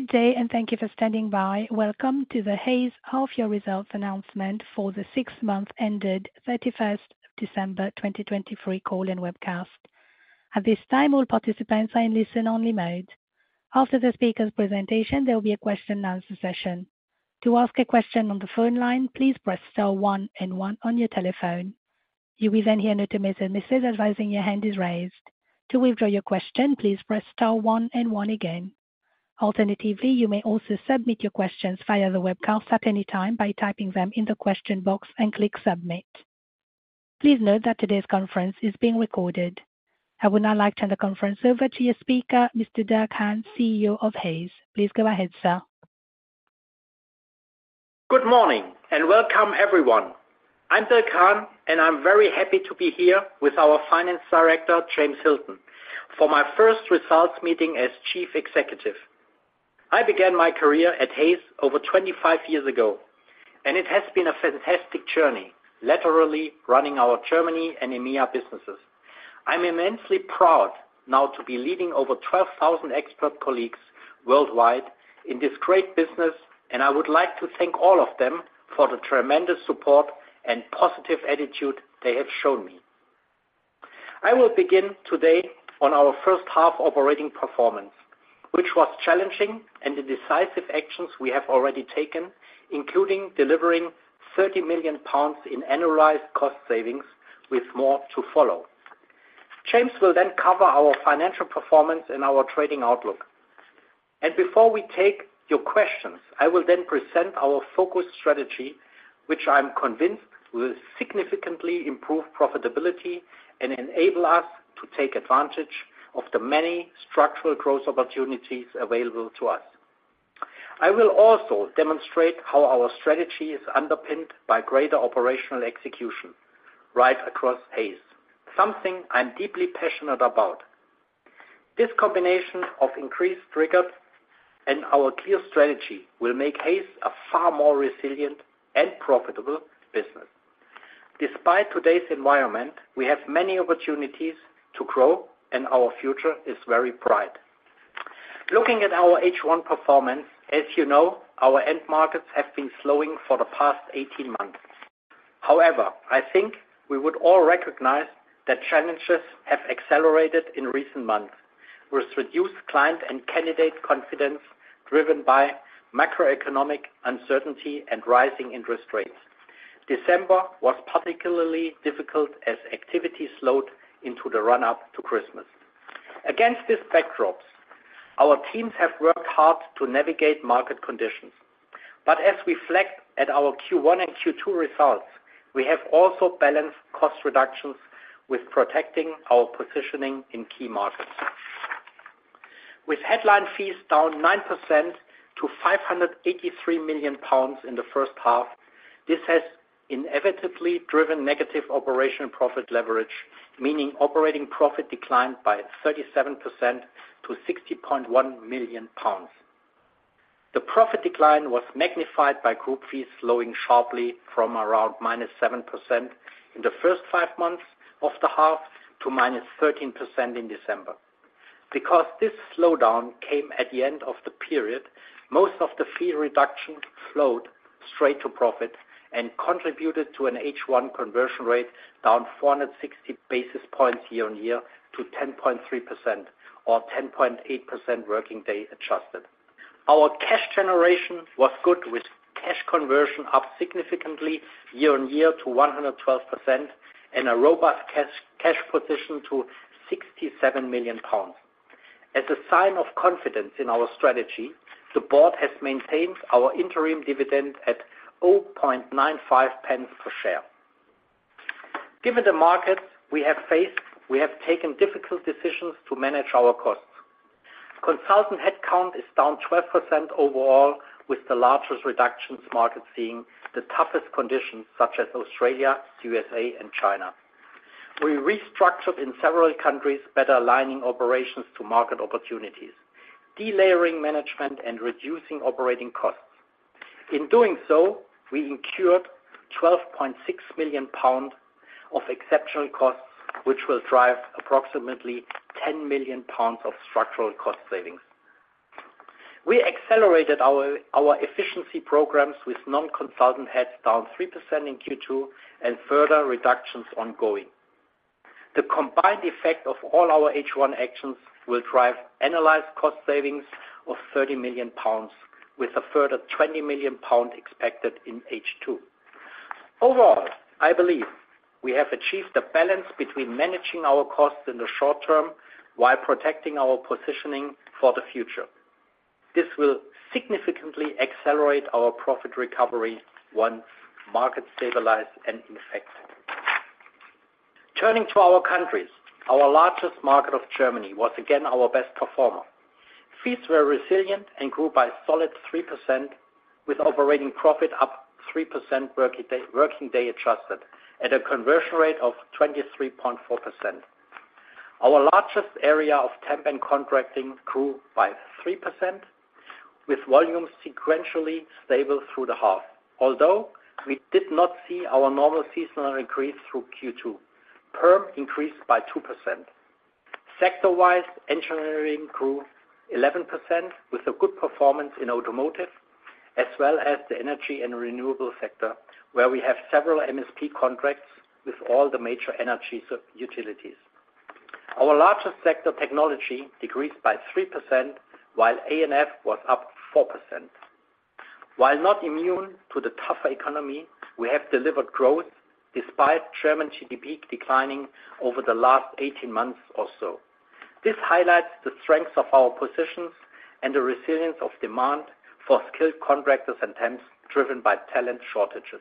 Good day and thank you for standing by. Welcome to the Hays Results announcement for the 6-month ended 31st December 2023 call and webcast. At this time, all participants are in listen-only mode. After the speaker's presentation, there will be a question-and-answer session. To ask a question on the phone line, please press star 1 and 1 on your telephone. You will then hear notifications advising your hand is raised. To withdraw your question, please press star 1 and 1 again. Alternatively, you may also submit your questions via the webcast at any time by typing them in the question box and clicking submit. Please note that today's conference is being recorded. I would now like to turn the conference over to your speaker, Mr. Dirk Hahn, CEO of Hays. Please go ahead, sir. Good morning and welcome everyone. I'm Dirk Hahn, and I'm very happy to be here with our Finance Director, James Hilton, for my first results meeting as Chief Executive. I began my career at Hays over 25 years ago, and it has been a fantastic journey, literally running our Germany and EMEA businesses. I'm immensely proud now to be leading over 12,000 expert colleagues worldwide in this great business, and I would like to thank all of them for the tremendous support and positive attitude they have shown me. I will begin today on our first half operating performance, which was challenging, and the decisive actions we have already taken, including delivering 30 million pounds in annualized cost savings with more to follow. James will then cover our financial performance and our trading outlook. Before we take your questions, I will then present our focused strategy, which I'm convinced will significantly improve profitability and enable us to take advantage of the many structural growth opportunities available to us. I will also demonstrate how our strategy is underpinned by greater operational execution right across Hays, something I'm deeply passionate about. This combination of increased rigour and our clear strategy will make Hays a far more resilient and profitable business. Despite today's environment, we have many opportunities to grow, and our future is very bright. Looking at our H1 performance, as you know, our end markets have been slowing for the past 18 months. However, I think we would all recognize that challenges have accelerated in recent months with reduced client and candidate confidence driven by macroeconomic uncertainty and rising interest rates. December was particularly difficult as activity slowed into the run-up to Christmas. Against these backdrops, our teams have worked hard to navigate market conditions. But as we flagged at our Q1 and Q2 results, we have also balanced cost reductions with protecting our positioning in key markets. With headline fees down 9% to 583 million pounds in the first half, this has inevitably driven negative operational profit leverage, meaning operating profit declined by 37% to 60.1 million pounds. The profit decline was magnified by group fees slowing sharply from around -7% in the first five months of the half to -13% in December. Because this slowdown came at the end of the period, most of the fee reductions flowed straight to profit and contributed to an H1 conversion rate down 460 basis points year on year to 10.3%, or 10.8% working day adjusted. Our cash generation was good, with cash conversion up significantly year-on-year to 112% and a robust cash position to 67 million pounds. As a sign of confidence in our strategy, the board has maintained our interim dividend at 0.95 per share. Given the markets we have faced, we have taken difficult decisions to manage our costs. Consultant headcount is down 12% overall, with the largest reductions markets seeing the toughest conditions such as Australia, the USA, and China. We restructured in several countries, better aligning operations to market opportunities, delayering management, and reducing operating costs. In doing so, we incurred 12.6 million pounds of exceptional costs, which will drive approximately 10 million pounds of structural cost savings. We accelerated our efficiency programs with non-consultant heads down 3% in Q2 and further reductions ongoing. The combined effect of all our H1 actions will drive annualized cost savings of 30 million pounds, with a further 20 million pound expected in H2. Overall, I believe we have achieved a balance between managing our costs in the short term while protecting our positioning for the future. This will significantly accelerate our profit recovery once markets stabilize and inflect. Turning to our countries, our largest market, Germany, was again our best performer. Fees were resilient and grew by a solid 3%, with operating profit up 3% working day adjusted at a conversion rate of 23.4%. Our largest area of Temp and contracting grew by 3%, with volumes sequentially stable through the half, although we did not see our normal seasonal increase through Q2, Perm increased by 2%. Sector-wise, engineering grew 11% with a good performance in automotive, as well as the energy and renewable sector, where we have several MSP contracts with all the major energy utilities. Our largest sector, technology, decreased by 3%, while A&F was up 4%. While not immune to the tougher economy, we have delivered growth despite German GDP declining over the last 18 months or so. This highlights the strengths of our positions and the resilience of demand for skilled contractors and TEMPs driven by talent shortages.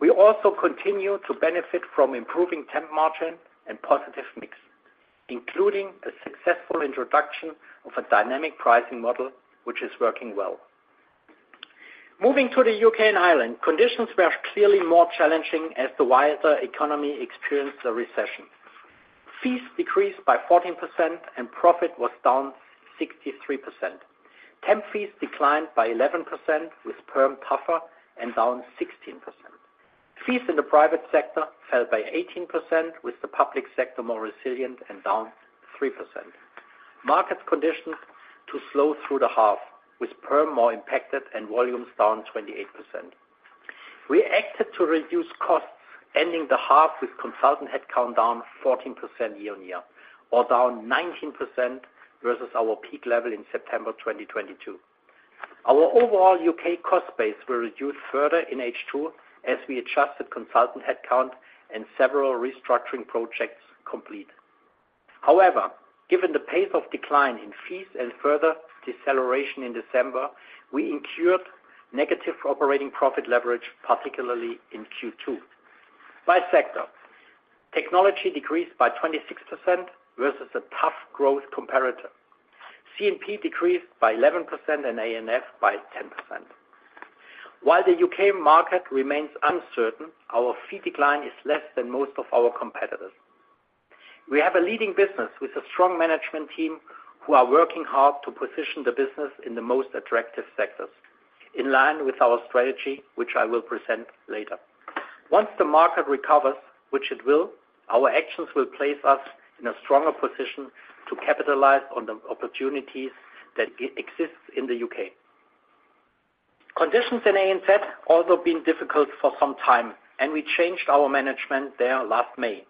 We also continue to benefit from improving TEMP margin and positive mix, including a successful introduction of a dynamic pricing model, which is working well. Moving to the UK and Ireland, conditions were clearly more challenging as the wider economy experienced a recession. Fees decreased by 14%, and profit was down 63%. TEMP fees declined by 11%, with PERM tougher and down 16%. Fees in the private sector fell by 18%, with the public sector more resilient and down 3%. Markets conditioned to slow through the half, with Perm more impacted and volumes down 28%. We acted to reduce costs, ending the half with consultant headcount down 14% year-on-year, or down 19% versus our peak level in September 2022. Our overall UK cost base was reduced further in H2 as we adjusted consultant headcount and several restructuring projects complete. However, given the pace of decline in fees and further deceleration in December, we incurred negative operating profit leverage, particularly in Q2. By sector, technology decreased by 26% versus a tough growth comparator. C&P decreased by 11% and A&F by 10%. While the UK market remains uncertain, our fee decline is less than most of our competitors. We have a leading business with a strong management team who are working hard to position the business in the most attractive sectors, in line with our strategy, which I will present later. Once the market recovers, which it will, our actions will place us in a stronger position to capitalize on the opportunities that exist in the UK. Conditions in ANZ have also been difficult for some time, and we changed our management there last May.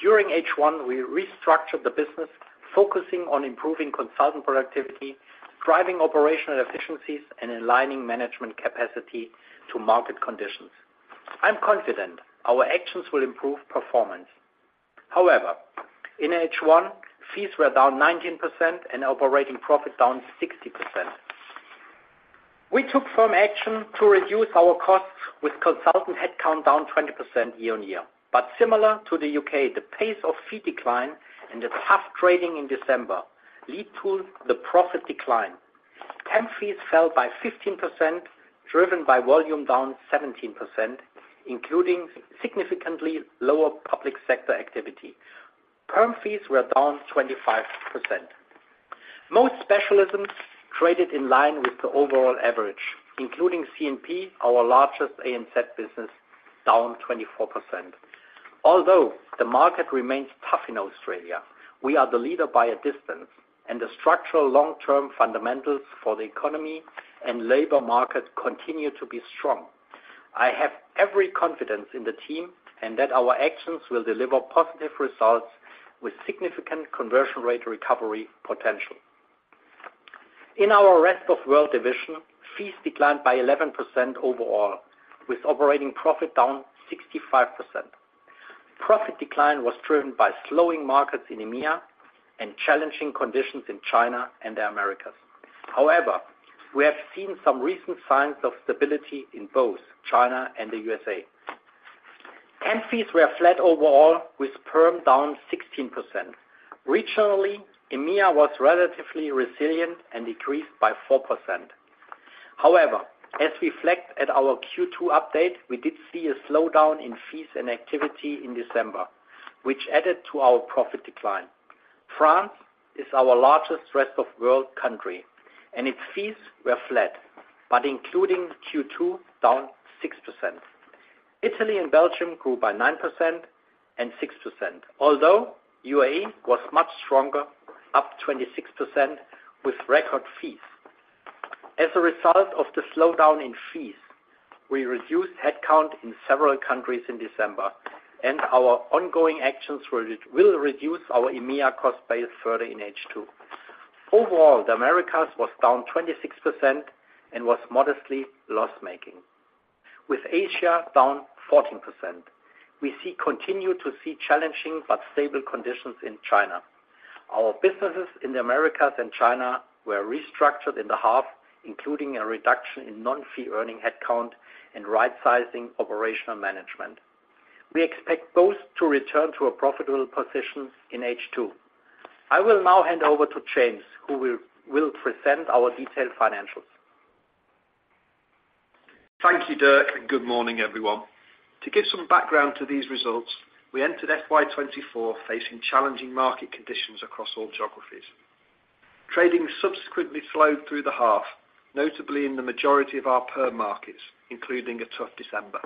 During H1, we restructured the business, focusing on improving consultant productivity, driving operational efficiencies, and aligning management capacity to market conditions. I'm confident our actions will improve performance. However, in H1, fees were down 19% and operating profit down 60%. We took firm action to reduce our costs, with consultant headcount down 20% year-on-year. But similar to the UK, the pace of fee decline and the tough trading in December led to the profit decline. TEMP fees fell by 15%, driven by volume down 17%, including significantly lower public sector activity. Perm fees were down 25%. Most specialisms traded in line with the overall average, including C&P, our largest ANZ business, down 24%. Although the market remains tough in Australia, we are the leader by a distance, and the structural long-term fundamentals for the economy and labor market continue to be strong. I have every confidence in the team and that our actions will deliver positive results with significant conversion rate recovery potential. In our Rest of Worlddivision, fees declined by 11% overall, with operating profit down 65%. Profit decline was driven by slowing markets in EMEA and challenging conditions in China and the Americas. However, we have seen some recent signs of stability in both China and the USA. TEMP fees were flat overall, with Perm down 16%. Regionally, EMEA was relatively resilient and decreased by 4%. However, as we flagged at our Q2 update, we did see a slowdown in fees and activity in December, which added to our profit decline. France is our largest Rest of World country, and its fees were flat, but including Q2, down 6%. Italy and Belgium grew by 9% and 6%, although UAE was much stronger, up 26%, with record fees. As a result of the slowdown in fees, we reduced headcount in several countries in December, and our ongoing actions will reduce our EMEA cost base further in H2. Overall, the Americas were down 26% and were modestly loss-making, with Asia down 14%. We continue to see challenging but stable conditions in China. Our businesses in the Americas and China were restructured in the half, including a reduction in non-fee-earning headcount and right-sizing operational management. We expect both to return to a profitable position in H2. I will now hand over to James, who will present our detailed financials. Thank you, Dirk, and good morning, everyone. To give some background to these results, we entered FY2024 facing challenging market conditions across all geographies. Trading subsequently slowed through the half, notably in the majority of our Perm markets, including a tough December.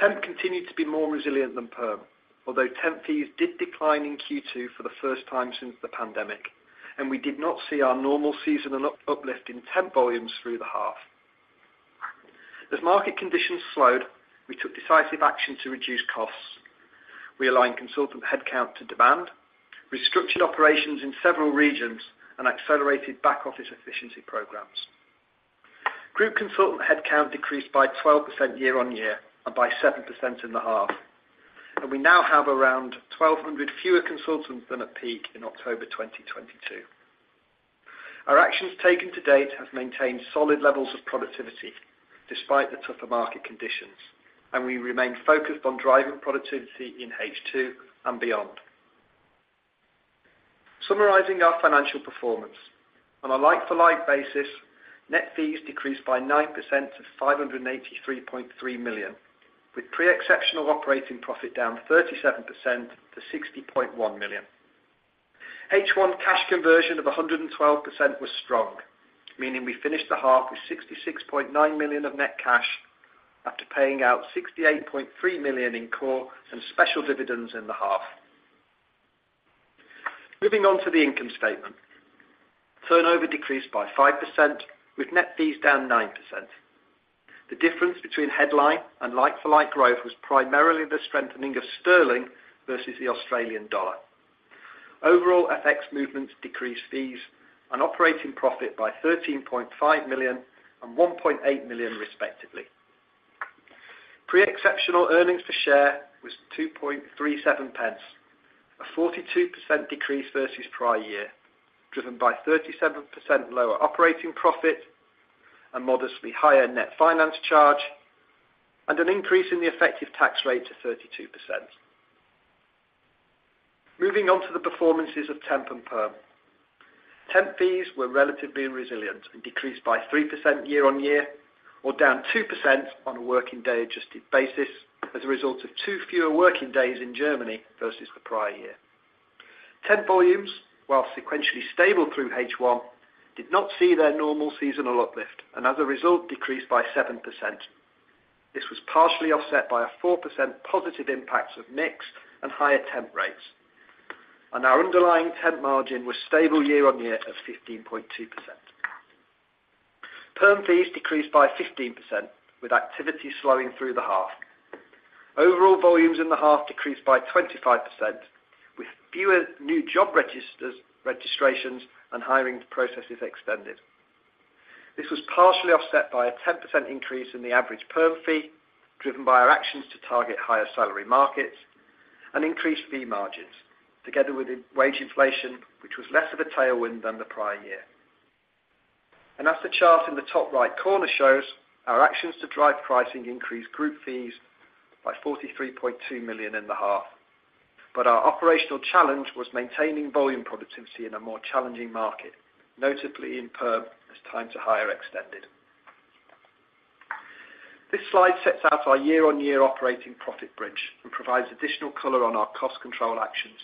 TEMP continued to be more resilient than Perm, although TEMP fees did decline in Q2 for the first time since the pandemic, and we did not see our normal seasonal uplift in TEMP volumes through the half. As market conditions slowed, we took decisive action to reduce costs. We aligned consultant headcount to demand, restructured operations in several regions, and accelerated back-office efficiency programs. Group consultant headcount decreased by 12% year-on-year and by 7% in the half, and we now have around 1,200 fewer consultants than at peak in October 2022. Our actions taken to date have maintained solid levels of productivity despite the tougher market conditions, and we remain focused on driving productivity in H2 and beyond. Summarizing our financial performance, on a like-for-like basis, net fees decreased by 9% to 583.3 million, with pre-exceptional operating profit down 37% to 60.1 million. H1 cash conversion of 112% was strong, meaning we finished the half with 66.9 million of net cash after paying out 68.3 million in core and special dividends in the half. Moving on to the income statement, turnover decreased by 5%, with net fees down 9%. The difference between headline and like-for-like growth was primarily the strengthening of sterling versus the Australian dollar. Overall FX movements decreased fees and operating profit by 13.5 million and 1.8 million, respectively. Pre-exceptional earnings per share was 0.237, a 42% decrease versus prior year, driven by 37% lower operating profit and modestly higher net finance charge, and an increase in the effective tax rate to 32%. Moving on to the performances of TEMP and PERM, TEMP fees were relatively resilient and decreased by 3% year-on-year, or down 2% on a working day adjusted basis as a result of two fewer working days in Germany versus the prior year. TEMP volumes, while sequentially stable through H1, did not see their normal seasonal uplift and, as a result, decreased by 7%. This was partially offset by a 4% positive impact of mix and higher TEMP rates, and our underlying TEMP margin was stable year on year at 15.2%. PERM fees decreased by 15%, with activity slowing through the half. Overall volumes in the half decreased by 25%, with fewer new job registrations and hiring processes extended. This was partially offset by a 10% increase in the average PERM fee, driven by our actions to target higher salary markets and increased fee margins, together with wage inflation, which was less of a tailwind than the prior year. As the chart in the top right corner shows, our actions to drive pricing increased group fees by 43.2 million in the half. Our operational challenge was maintaining volume productivity in a more challenging market, notably in PERM, as time to hire extended. This slide sets out our year-on-year operating profit bridge and provides additional color on our cost control actions.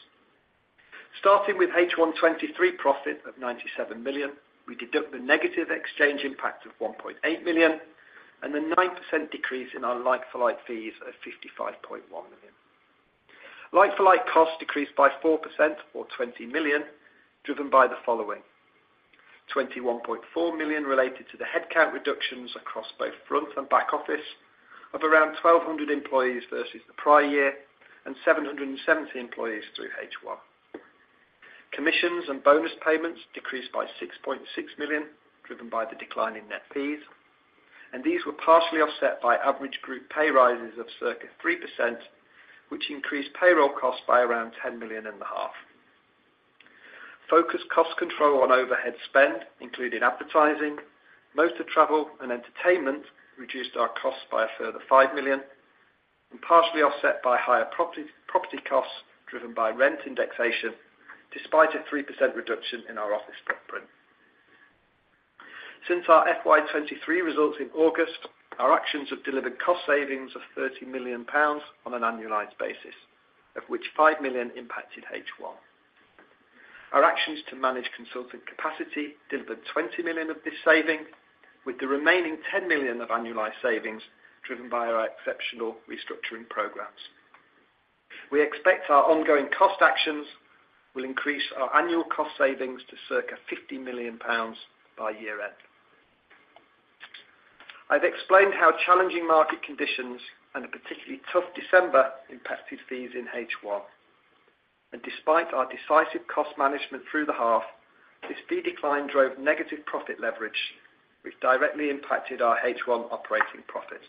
Starting with H123 profit of 97 million, we deduct the negative exchange impact of 1.8 million and the 9% decrease in our like-for-like fees of 55.1 million. Like-for-like costs decreased by 4%, or 20 million, driven by the following: 21.4 million related to the headcount reductions across both front and back office of around 1,200 employees versus the prior year and 770 employees through H1. Commissions and bonus payments decreased by 6.6 million, driven by the decline in net fees. These were partially offset by average group pay rises of circa 3%, which increased payroll costs by around 10.5 million. Focused cost control on overhead spend, including advertising, motor travel, and entertainment, reduced our costs by a further 5 million and partially offset by higher property costs driven by rent indexation despite a 3% reduction in our office footprint. Since our FY23 results in August, our actions have delivered cost savings of 30 million pounds on an annualized basis, of which 5 million impacted H1. Our actions to manage consultant capacity delivered 20 million of this saving, with the remaining 10 million of annualized savings driven by our exceptional restructuring programs. We expect our ongoing cost actions will increase our annual cost savings to circa 50 million pounds by year-end. I've explained how challenging market conditions and a particularly tough December impacted fees in H1. Despite our decisive cost management through the half, this fee decline drove negative profit leverage, which directly impacted our H1 operating profit.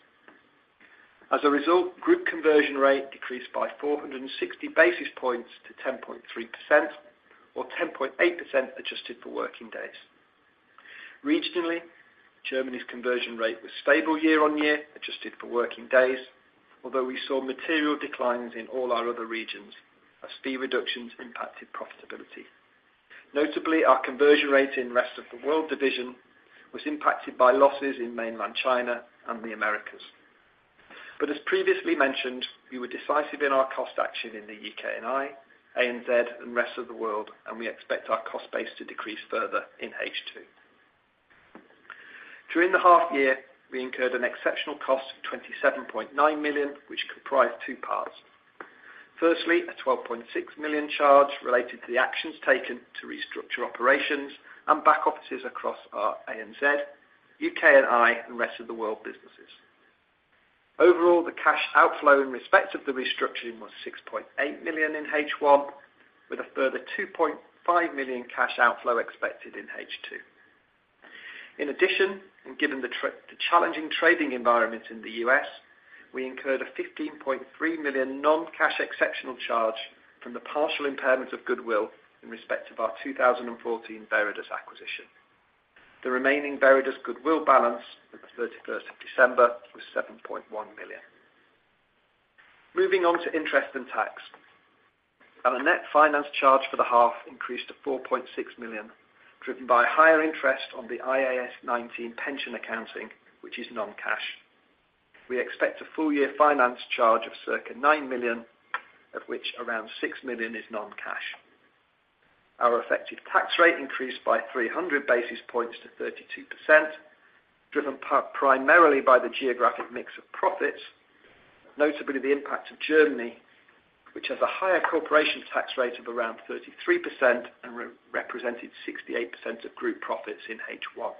As a result, group conversion rate decreased by 460 basis points to 10.3%, or 10.8% adjusted for working days. Regionally, Germany's conversion rate was stable year-on-year, adjusted for working days, although we saw material declines in all our other regions as fee reductions impacted profitability. Notably, our conversion rate in rest of the world division was impacted by losses in mainland China and the Americas. But as previously mentioned, we were decisive in our cost action in the UK&I, A&Z, and rest of the world, and we expect our cost base to decrease further in H2. During the half-year, we incurred an exceptional cost of 27.9 million, which comprised two parts. Firstly, a 12.6 million charge related to the actions taken to restructure operations and back offices across our A&Z, UK&I, and rest of the world businesses. Overall, the cash outflow in respect of the restructuring was 6.8 million in H1, with a further 2.5 million cash outflow expected in H2. In addition, and given the challenging trading environment in the U.S., we incurred a 15.3 million non-cash exceptional charge from the partial impairments of goodwill in respect of our 2014 Veredus acquisition. The remaining Veredus goodwill balance at the 31st of December was 7.1 million. Moving on to interest and tax, our net finance charge for the half increased to 4.6 million, driven by higher interest on the IAS 19 pension accounting, which is non-cash. We expect a full-year finance charge of circa 9 million, of which around 6 million is non-cash. Our effective tax rate increased by 300 basis points to 32%, driven primarily by the geographic mix of profits, notably the impact of Germany, which has a higher corporation tax rate of around 33% and represented 68% of group profits in H1.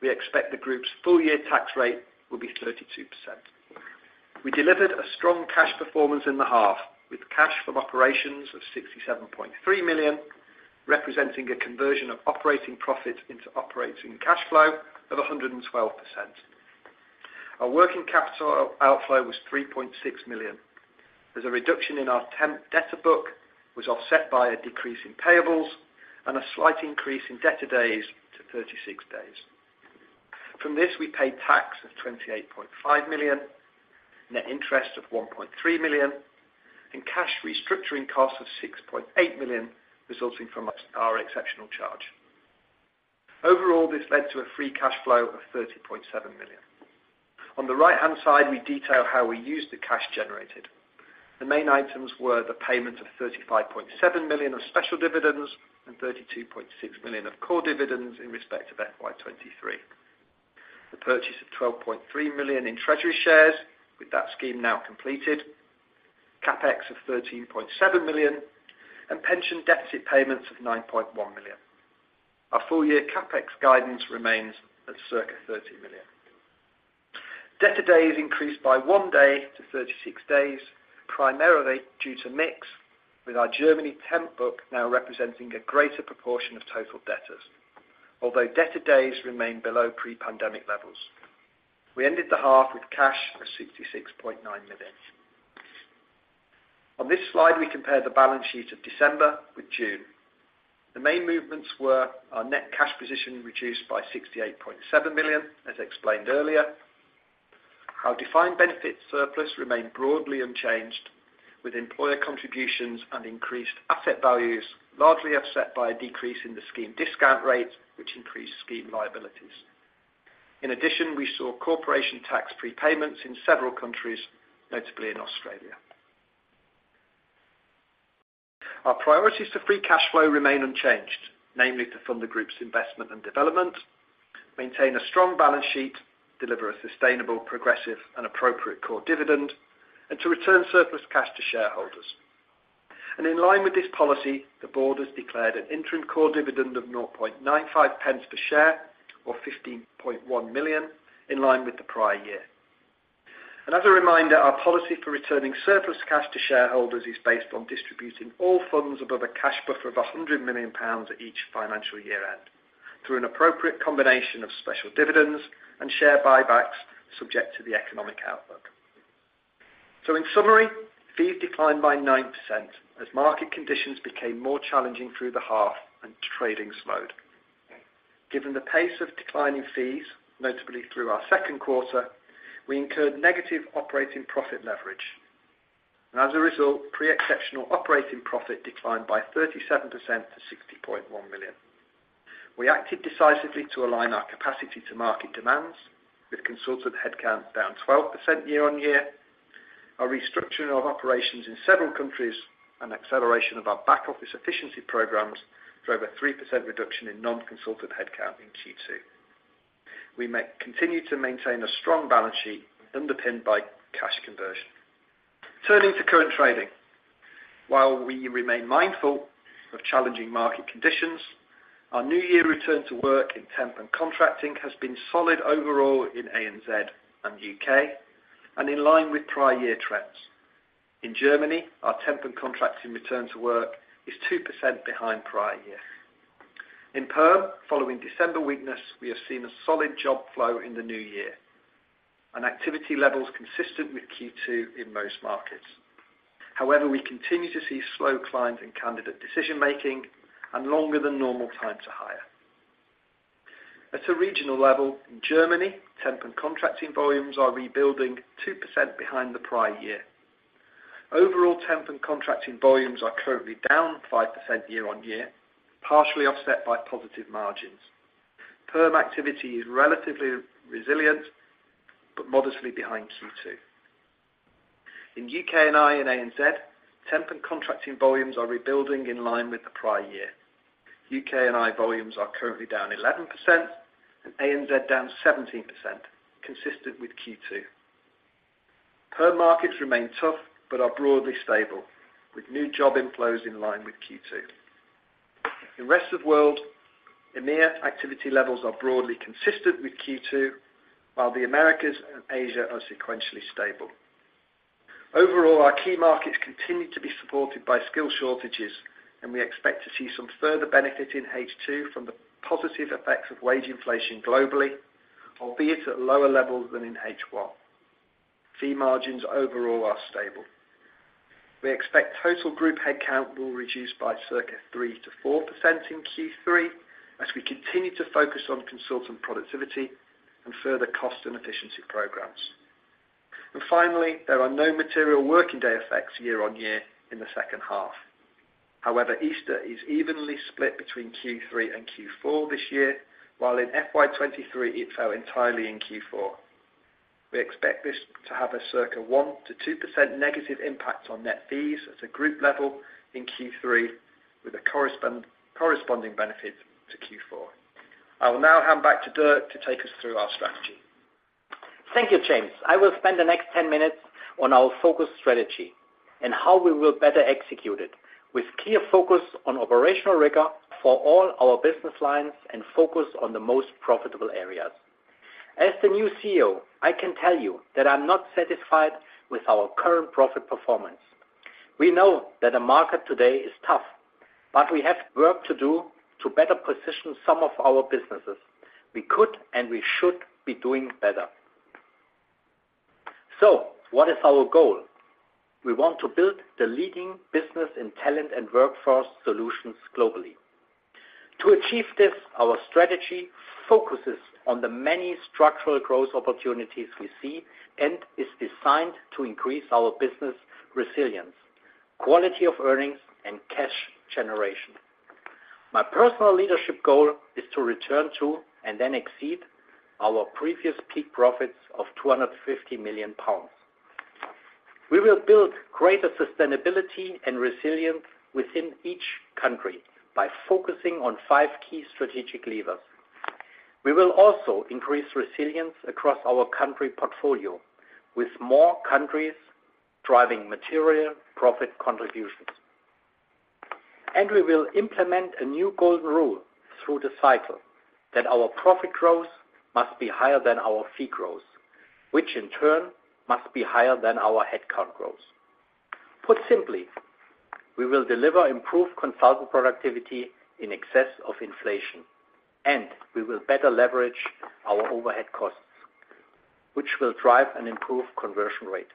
We expect the group's full-year tax rate will be 32%. We delivered a strong cash performance in the half, with cash from operations of 67.3 million, representing a conversion of operating profits into operating cash flow of 112%. Our working capital outflow was 3.6 million, as a reduction in our TEMP debtor book was offset by a decrease in payables and a slight increase in debtor days to 36 days. From this, we paid tax of 28.5 million, net interest of 1.3 million, and cash restructuring costs of 6.8 million resulting from our exceptional charge. Overall, this led to a free cash flow of 30.7 million. On the right-hand side, we detail how we used the cash generated. The main items were the payment of 35.7 million of special dividends and 32.6 million of core dividends in respect of FY 2023, the purchase of 12.3 million in treasury shares with that scheme now completed, CapEx of 13.7 million, and pension deficit payments of 9.1 million. Our full-year CapEx guidance remains at circa 30 million. Debt to days increased by one day to 36 days, primarily due to mix, with our Germany TEMP book now representing a greater proportion of total debtors, although debt to days remain below pre-pandemic levels. We ended the half with cash of 66.9 million. On this slide, we compare the balance sheet of December with June. The main movements were our net cash position reduced by 68.7 million, as explained earlier. Our defined benefit surplus remained broadly unchanged, with employer contributions and increased asset values largely offset by a decrease in the scheme discount rates, which increased scheme liabilities. In addition, we saw corporation tax prepayments in several countries, notably in Australia. Our priorities to free cash flow remain unchanged, namely to fund the group's investment and development, maintain a strong balance sheet, deliver a sustainable, progressive, and appropriate core dividend, and to return surplus cash to shareholders. In line with this policy, the board has declared an interim core dividend of 0.95 per share, or 15.1 million, in line with the prior year. As a reminder, our policy for returning surplus cash to shareholders is based on distributing all funds above a cash buffer of 100 million pounds at each financial year-end through an appropriate combination of special dividends and share buybacks subject to the economic outlook. In summary, fees declined by 9% as market conditions became more challenging through the half and trading slowed. Given the pace of declining fees, notably through our second quarter, we incurred negative operating profit leverage. As a result, pre-exceptional operating profit declined by 37% to 60.1 million. We acted decisively to align our capacity to market demands, with consultant headcount down 12% year-on-year. Our restructuring of operations in several countries and acceleration of our back office efficiency programs drove a 3% reduction in non-consultant headcount in Q2. We continue to maintain a strong balance sheet underpinned by cash conversion. Turning to current trading, while we remain mindful of challenging market conditions, our new-year return to work in TEMP and contracting has been solid overall in A&Z and UK, and in line with prior-year trends. In Germany, our TEMP and contracting return to work is 2% behind prior year. In PERM, following December weakness, we have seen a solid job flow in the new year and activity levels consistent with Q2 in most markets. However, we continue to see slow clients and candidate decision-making and longer-than-normal time to hire. At a regional level, in Germany, TEMP and contracting volumes are rebuilding 2% behind the prior year. Overall, TEMP and contracting volumes are currently down 5% year-on-year, partially offset by positive margins. PERM activity is relatively resilient but modestly behind Q2. In UK&I and A&Z, TEMP and contracting volumes are rebuilding in line with the prior year. UK&I volumes are currently down 11% and A&Z down 17%, consistent with Q2. PERM markets remain tough but are broadly stable, with new job inflows in line with Q2. In rest of the world, EMEA activity levels are broadly consistent with Q2, while the Americas and Asia are sequentially stable. Overall, our key markets continue to be supported by skill shortages, and we expect to see some further benefit in H2 from the positive effects of wage inflation globally, albeit at lower levels than in H1. Fee margins overall are stable. We expect total group headcount will reduce by circa 3%-4% in Q3 as we continue to focus on consultant productivity and further cost and efficiency programs. And finally, there are no material working day effects year-over-year in the second half. However, Easter is evenly split between Q3 and Q4 this year, while in FY23 it fell entirely in Q4. We expect this to have a circa 1%-2% negative impact on net fees at a group level in Q3, with a corresponding benefit to Q4. I will now hand back to Dirk to take us through our strategy. Thank you, James. I will spend the next 10 minutes on our focus strategy and how we will better execute it, with clear focus on operational rigor for all our business lines and focus on the most profitable areas. As the new CEO, I can tell you that I'm not satisfied with our current profit performance. We know that the market today is tough, but we have work to do to better position some of our businesses. We could, and we should, be doing better. So what is our goal? We want to build the leading business in talent and workforce solutions globally. To achieve this, our strategy focuses on the many structural growth opportunities we see and is designed to increase our business resilience, quality of earnings, and cash generation. My personal leadership goal is to return to and then exceed our previous peak profits of 250 million pounds. We will build greater sustainability and resilience within each country by focusing on five key strategic levers. We will also increase resilience across our country portfolio, with more countries driving material profit contributions. And we will implement a new golden rule through the cycle that our profit growth must be higher than our fee growth, which in turn must be higher than our headcount growth. Put simply, we will deliver improved consultant productivity in excess of inflation, and we will better leverage our overhead costs, which will drive an improved conversion rate.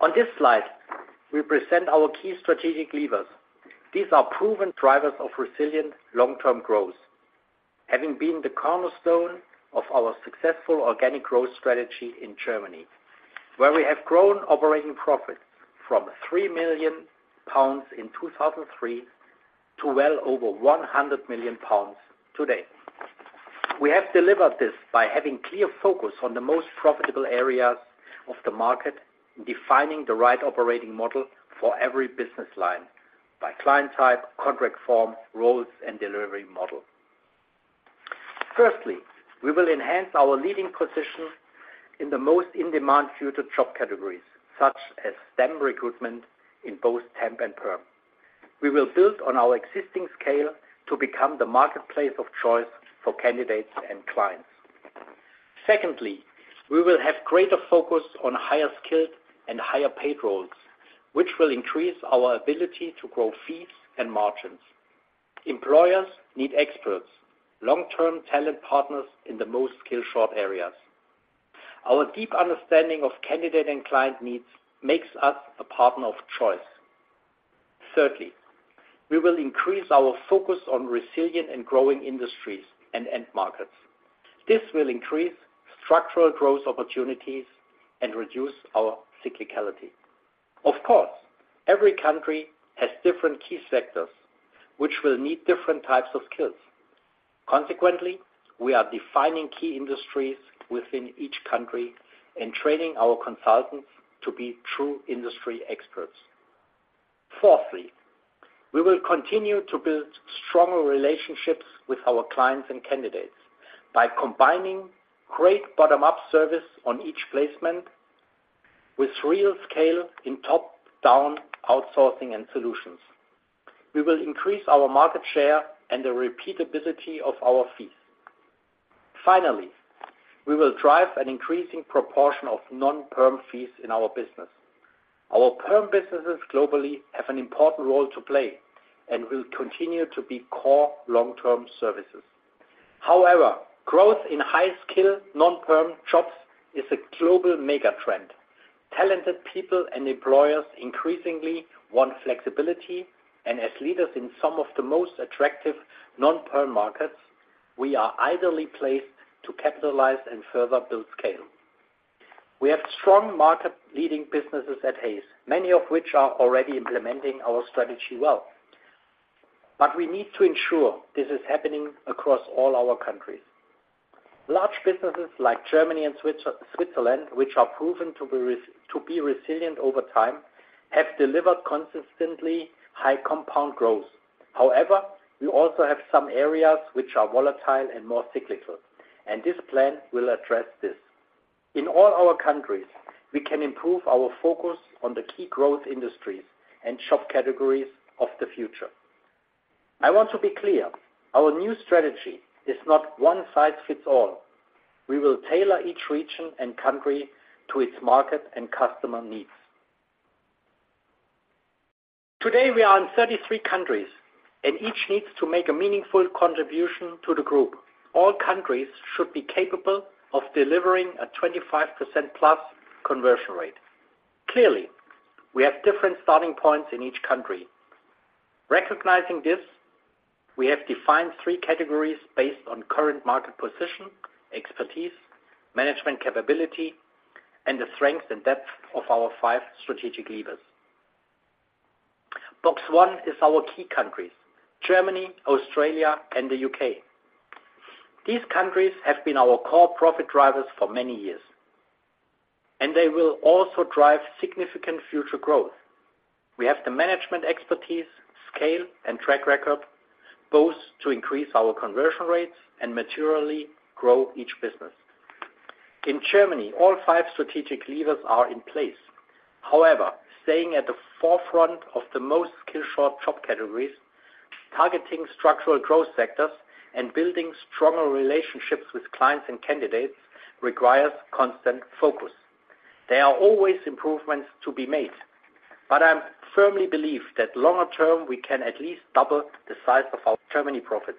On this slide, we present our key strategic levers. These are proven drivers of resilient long-term growth, having been the cornerstone of our successful organic growth strategy in Germany, where we have grown operating profits from 3 million pounds in 2003 to well over 100 million pounds today. We have delivered this by having clear focus on the most profitable areas of the market and defining the right operating model for every business line by client type, contract form, roles, and delivery model. Firstly, we will enhance our leading position in the most in-demand future job categories, such as STEM recruitment in both TEMP and PERM. We will build on our existing scale to become the marketplace of choice for candidates and clients. Secondly, we will have greater focus on higher skilled and higher paid roles, which will increase our ability to grow fees and margins. Employers need experts, long-term talent partners in the most skill-short areas. Our deep understanding of candidate and client needs makes us a partner of choice. Thirdly, we will increase our focus on resilient and growing industries and end markets. This will increase structural growth opportunities and reduce our cyclicality. Of course, every country has different key sectors, which will need different types of skills. Consequently, we are defining key industries within each country and training our consultants to be true industry experts. Fourthly, we will continue to build stronger relationships with our clients and candidates by combining great bottom-up service on each placement with real scale in top-down outsourcing and solutions. We will increase our market share and the repeatability of our fees. Finally, we will drive an increasing proportion of non-Permfees in our business. Our PERM businesses globally have an important role to play and will continue to be core long-term services. However, growth in high-skill non-Perm jobs is a global megatrend. Talented people and employers increasingly want flexibility, and as leaders in some of the most attractive non-Perm markets, we are ideally placed to capitalize and further build scale. We have strong market-leading businesses at Hays, many of which are already implementing our strategy well. But we need to ensure this is happening across all our countries. Large businesses like Germany and Switzerland, which are proven to be resilient over time, have delivered consistently high compound growth. However, we also have some areas which are volatile and more cyclical, and this plan will address this. In all our countries, we can improve our focus on the key growth industries and job categories of the future. I want to be clear: our new strategy is not one-size-fits-all. We will tailor each region and country to its market and customer needs. Today, we are in 33 countries, and each needs to make a meaningful contribution to the group. All countries should be capable of delivering a 25%+ conversion rate. Clearly, we have different starting points in each country. Recognizing this, we have defined three categories based on current market position, expertise, management capability, and the strengths and depth of our five strategic levers. Box one is our key countries: Germany, Australia, and the UK. These countries have been our core profit drivers for many years, and they will also drive significant future growth. We have the management expertise, scale, and track record, both to increase our conversion rates and materially grow each business. In Germany, all five strategic levers are in place. However, staying at the forefront of the most skill-short job categories, targeting structural growth sectors, and building stronger relationships with clients and candidates requires constant focus. There are always improvements to be made, but I firmly believe that longer-term we can at least double the size of our Germany profits.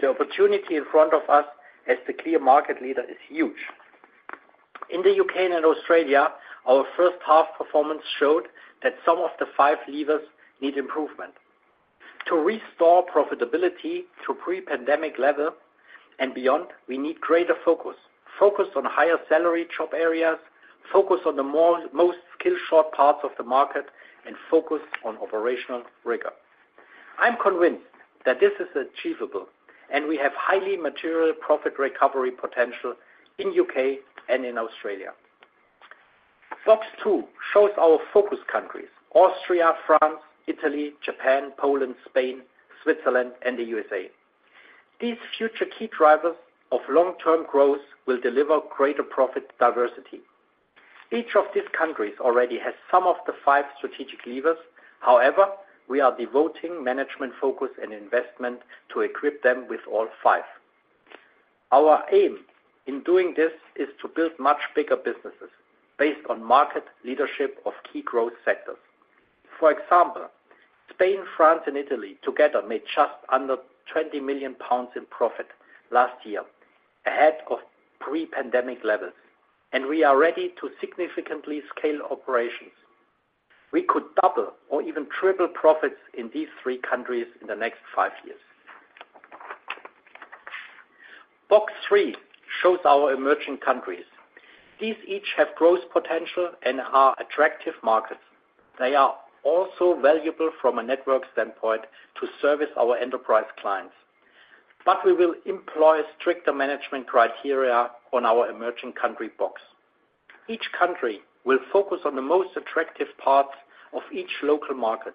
The opportunity in front of us as the clear market leader is huge. In the UK and Australia, our first-half performance showed that some of the five levers need improvement. To restore profitability to pre-pandemic level and beyond, we need greater focus: focus on higher salary job areas, focus on the most skill-short parts of the market, and focus on operational rigor. I'm convinced that this is achievable, and we have highly material profit recovery potential in the UK and in Australia. Box two shows our focus countries: Austria, France, Italy, Japan, Poland, Spain, Switzerland, and the USA. These future key drivers of long-term growth will deliver greater profit diversity. Each of these countries already has some of the five strategic levers. However, we are devoting management focus and investment to equip them with all five. Our aim in doing this is to build much bigger businesses based on market leadership of key growth sectors. For example, Spain, France, and Italy together made just under 20 million pounds in profit last year, ahead of pre-pandemic levels, and we are ready to significantly scale operations. We could double or even triple profits in these three countries in the next five years. Box three shows our emerging countries. These each have growth potential and are attractive markets. They are also valuable from a network standpoint to service our enterprise clients. But we will employ stricter management criteria on our emerging country box. Each country will focus on the most attractive parts of each local market.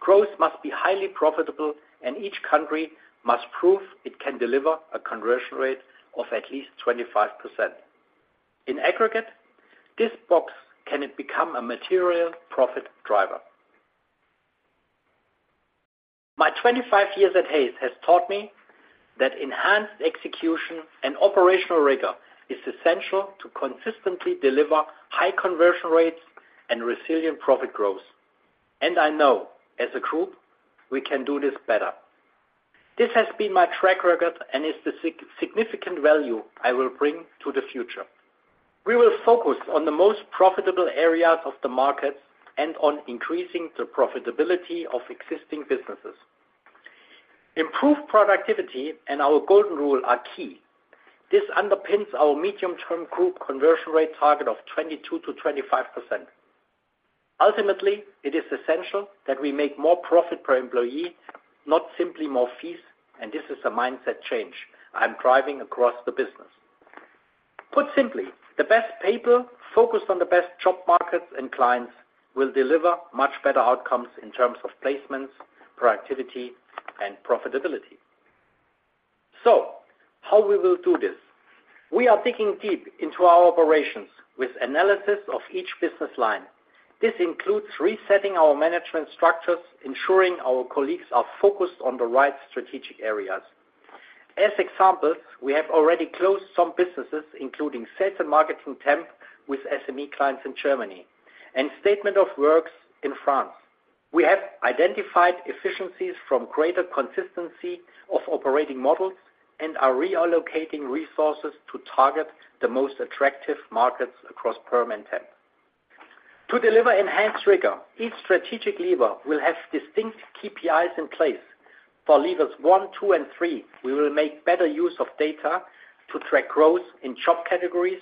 Growth must be highly profitable, and each country must prove it can deliver a conversion rate of at least 25%. In aggregate, this box can become a material profit driver. My 25 years at Hays have taught me that enhanced execution and operational rigor is essential to consistently deliver high conversion rates and resilient profit growth. And I know, as a group, we can do this better. This has been my track record and is the significant value I will bring to the future. We will focus on the most profitable areas of the markets and on increasing the profitability of existing businesses. Improved productivity and our golden rule are key. This underpins our medium-term group conversion rate target of 22%-25%. Ultimately, it is essential that we make more profit per employee, not simply more fees, and this is a mindset change I'm driving across the business. Put simply, the best people focused on the best job markets and clients will deliver much better outcomes in terms of placements, productivity, and profitability. So how we will do this? We are digging deep into our operations with analysis of each business line. This includes resetting our management structures, ensuring our colleagues are focused on the right strategic areas. As examples, we have already closed some businesses, including sales and marketing TEMP with SME clients in Germany and statement of works in France. We have identified efficiencies from greater consistency of operating models and are reallocating resources to target the most attractive markets across PERM and TEMP. To deliver enhanced rigor, each strategic lever will have distinct KPIs in place. For levers one, two, and three, we will make better use of data to track growth in job categories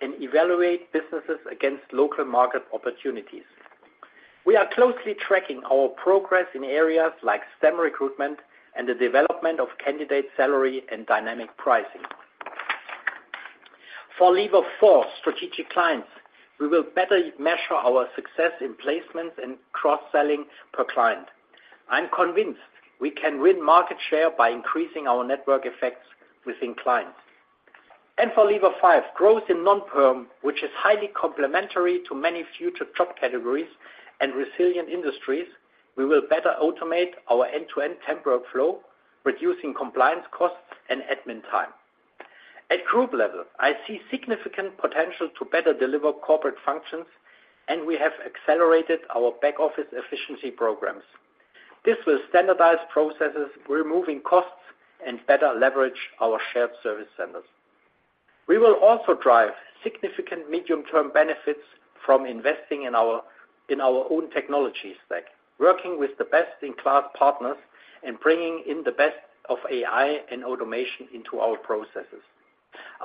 and evaluate businesses against local market opportunities. We are closely tracking our progress in areas like STEM recruitment and the development of candidate salary and dynamic pricing. For lever four strategic clients, we will better measure our success in placements and cross-selling per client. I'm convinced we can win market share by increasing our network effects within clients. And for lever five growth in non-Perm, which is highly complementary to many future job categories and resilient industries, we will better automate our end-to-end temporary flow, reducing compliance costs and admin time. At group level, I see significant potential to better deliver corporate functions, and we have accelerated our back-office efficiency programs. This will standardize processes, removing costs, and better leverage our shared service centers. We will also drive significant medium-term benefits from investing in our own technology stack, working with the best-in-class partners, and bringing in the best of AI and automation into our processes.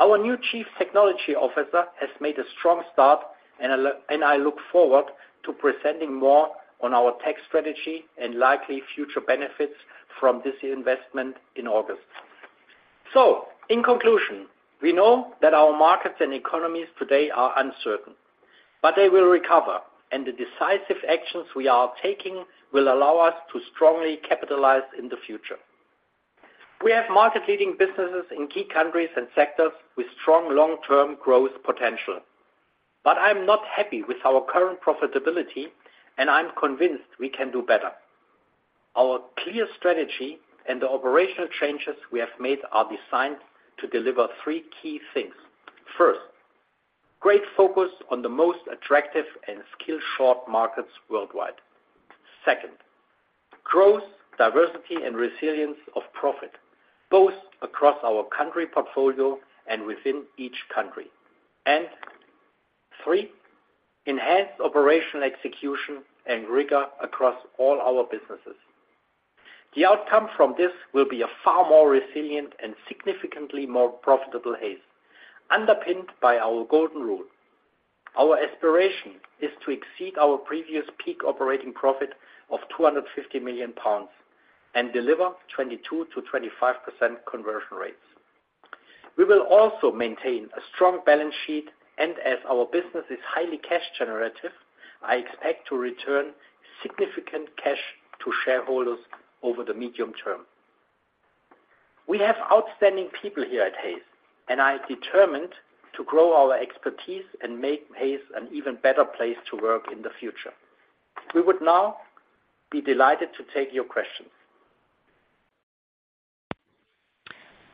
Our new Chief Technology Officer has made a strong start, and I look forward to presenting more on our tech strategy and likely future benefits from this investment in August. So in conclusion, we know that our markets and economies today are uncertain, but they will recover, and the decisive actions we are taking will allow us to strongly capitalize in the future. We have market-leading businesses in key countries and sectors with strong long-term growth potential. But I'm not happy with our current profitability, and I'm convinced we can do better. Our clear strategy and the operational changes we have made are designed to deliver three key things. First, great focus on the most attractive and skill-short markets worldwide. Second, growth, diversity, and resilience of profit, both across our country portfolio and within each country. And three, enhanced operational execution and rigor across all our businesses. The outcome from this will be a far more resilient and significantly more profitable Hays, underpinned by our golden rule. Our aspiration is to exceed our previous peak operating profit of 250 million pounds and deliver 22%-25% conversion rates. We will also maintain a strong balance sheet, and as our business is highly cash-generative, I expect to return significant cash to shareholders over the medium term. We have outstanding people here at Hays, and I'm determined to grow our expertise and make Hays an even better place to work in the future. We would now be delighted to take your questions.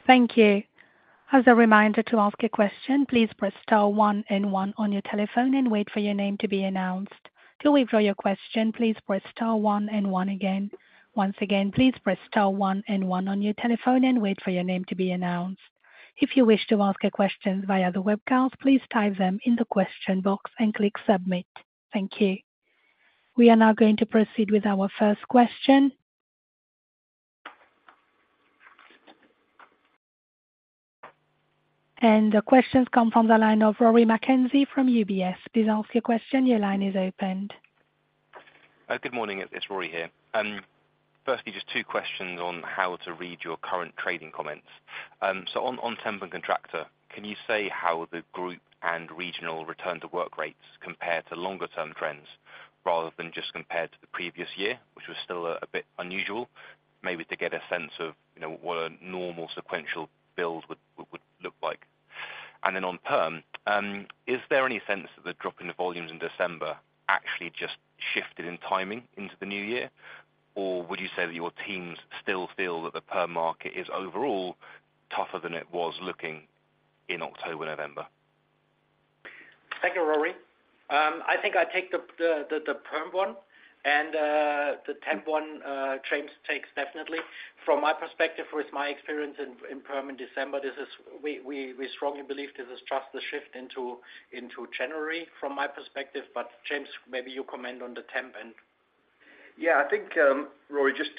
Thank you. As a reminder to ask a question, please press star one and one on your telephone and wait for your name to be announced. Till we draw your question, please press star one and one again. Once again, please press star one and one on your telephone and wait for your name to be announced. If you wish to ask a question via the webcast, please type them in the question box and click submit. Thank you. We are now going to proceed with our first question. The questions come from the line of Rory McKenzie from UBS. Please ask your question. Your line is open. Good morning. It's Rory here. Firstly, just two questions on how to read your current trading comments. So on TEMP and Contractor, can you say how the group and regional return-to-work rates compare to longer-term trends, rather than just compared to the previous year, which was still a bit unusual, maybe to get a sense of what a normal sequential build would look like? And then on PERM, is there any sense that the drop in the volumes in December actually just shifted in timing into the new year, or would you say that your teams still feel that the PERM market is overall tougher than it was looking in October, November? Thank you, Rory. I think I'd take the PERM one, and the TEMP one, James takes definitely. From my perspective, with my experience in PERM in December, we strongly believe this is just the shift into January from my perspective. But James, maybe you comment on the TEMP and. Yeah. I think, Rory, just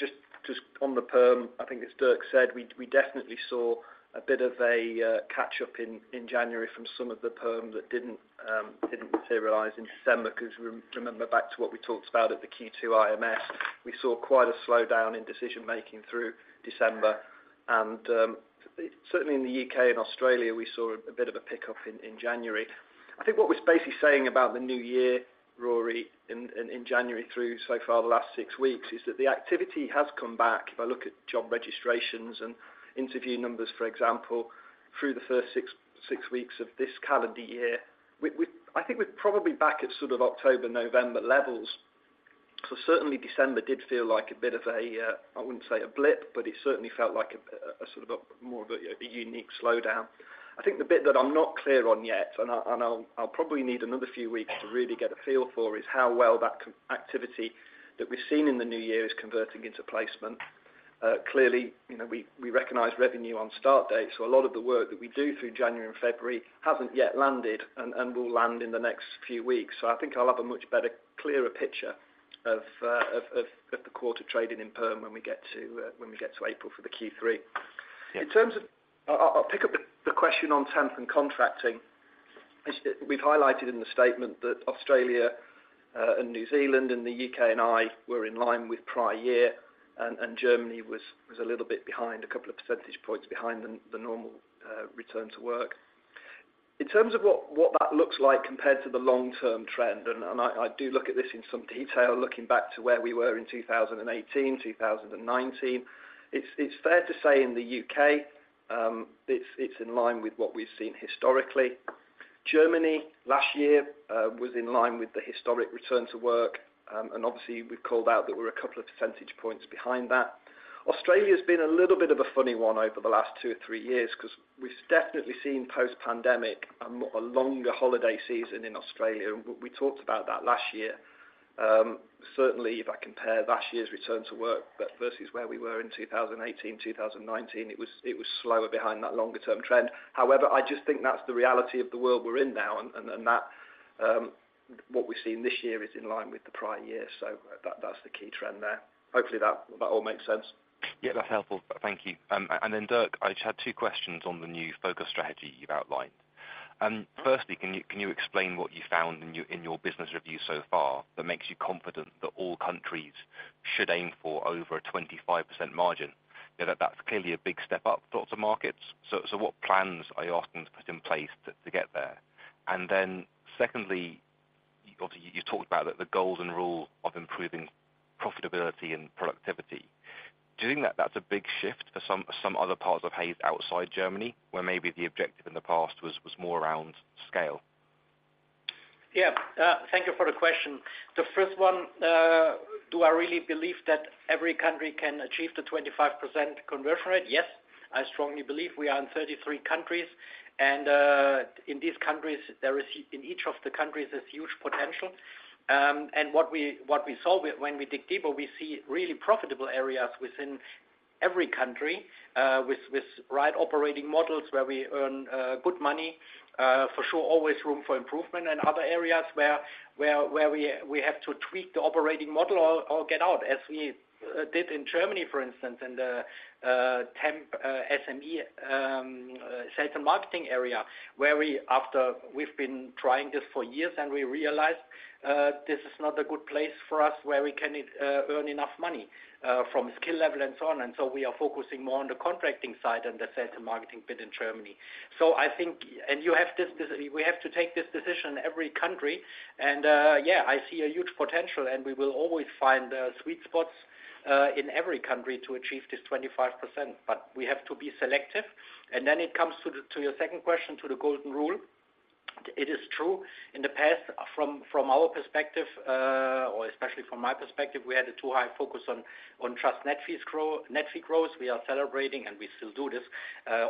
on the PERM, I think as Dirk said, we definitely saw a bit of a catch-up in January from some of the PERM that didn't materialize in December because, remember, back to what we talked about at the Q2 IMS, we saw quite a slowdown in decision-making through December. Certainly in the U.K. and Australia, we saw a bit of a pickup in January. I think what we're basically saying about the new year, Rory, in January through so far the last six weeks is that the activity has come back. If I look at job registrations and interview numbers, for example, through the first six weeks of this calendar year, I think we're probably back at sort of October, November levels. So certainly, December did feel like a bit of a I wouldn't say a blip, but it certainly felt like a sort of more of a unique slowdown. I think the bit that I'm not clear on yet, and I'll probably need another few weeks to really get a feel for, is how well that activity that we've seen in the new year is converting into placement. Clearly, we recognise revenue on start date, so a lot of the work that we do through January and February hasn't yet landed and will land in the next few weeks. So I think I'll have a much better, clearer picture of the quarter trading in PERM when we get to when we get to April for the Q3. In terms of I'll pick up the question on TEMP and contracting. We've highlighted in the statement that Australia and New Zealand and the UK and Ireland were in line with prior year, and Germany was a little bit behind, a couple of percentage points behind the normal return to work. In terms of what that looks like compared to the long-term trend, and I do look at this in some detail, looking back to where we were in 2018, 2019, it's fair to say in the UK it's in line with what we've seen historically. Germany, last year, was in line with the historic return to work, and obviously, we've called out that we're a couple of percentage points behind that. Australia's been a little bit of a funny one over the last two or three years because we've definitely seen post-pandemic a longer holiday season in Australia, and we talked about that last year. Certainly, if I compare last year's return to work versus where we were in 2018, 2019, it was slower behind that longer-term trend. However, I just think that's the reality of the world we're in now, and that what we've seen this year is in line with the prior year. So that's the key trend there. Hopefully, that all makes sense. Yeah. That's helpful. Thank you. And then, Dirk, I just had two questions on the new focus strategy you've outlined. Firstly, can you explain what you found in your business review so far that makes you confident that all countries should aim for over a 25% margin? That's clearly a big step up for lots of markets. So what plans are you asking to put in place to get there? And then secondly, obviously, you've talked about the golden rule of improving profitability and productivity. Do you think that that's a big shift for some other parts of Hays outside Germany, where maybe the objective in the past was more around scale? Yeah. Thank you for the question. The first one, do I really believe that every country can achieve the 25% conversion rate? Yes, I strongly believe. We are in 33 countries, and in these countries, there is in each of the countries this huge potential. And what we saw when we dig deeper, we see really profitable areas within every country with right operating models where we earn good money. For sure, always room for improvement in other areas where we have to tweak the operating model or get out, as we did in Germany, for instance, in the TEMP, SME, sales and marketing area, where we after we've been trying this for years, and we realized this is not a good place for us where we can earn enough money from skill level and so on. So we are focusing more on the contracting side and the sales and marketing bit in Germany. I think and you have this we have to take this decision in every country. Yeah, I see a huge potential, and we will always find sweet spots in every country to achieve this 25%, but we have to be selective. Then it comes to your second question, to the golden rule. It is true. In the past, from our perspective, or especially from my perspective, we had too high a focus on just net fee growth. We are celebrating, and we still do this,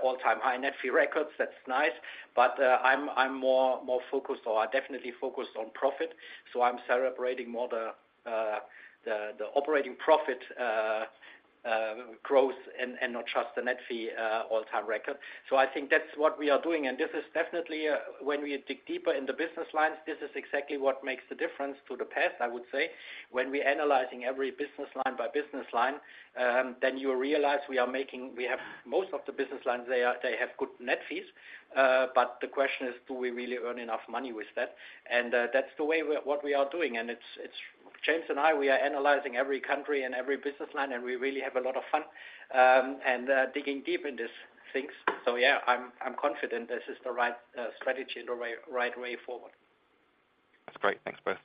all-time high net fee records. That's nice. But I'm more focused or definitely focused on profit. So I'm celebrating more the operating profit growth and not just the net fee all-time record. So I think that's what we are doing. And this is definitely, when we dig deeper in the business lines, this is exactly what makes the difference to the past, I would say. When we're analyzing every business line by business line, then you realize we have most of the business lines; they have good net fees. But the question is, do we really earn enough money with that? And that's the way what we are doing. And it's James and I; we are analyzing every country and every business line, and we really have a lot of fun and digging deep into these things. So yeah, I'm confident this is the right strategy and the right way forward. That's great. Thanks, both.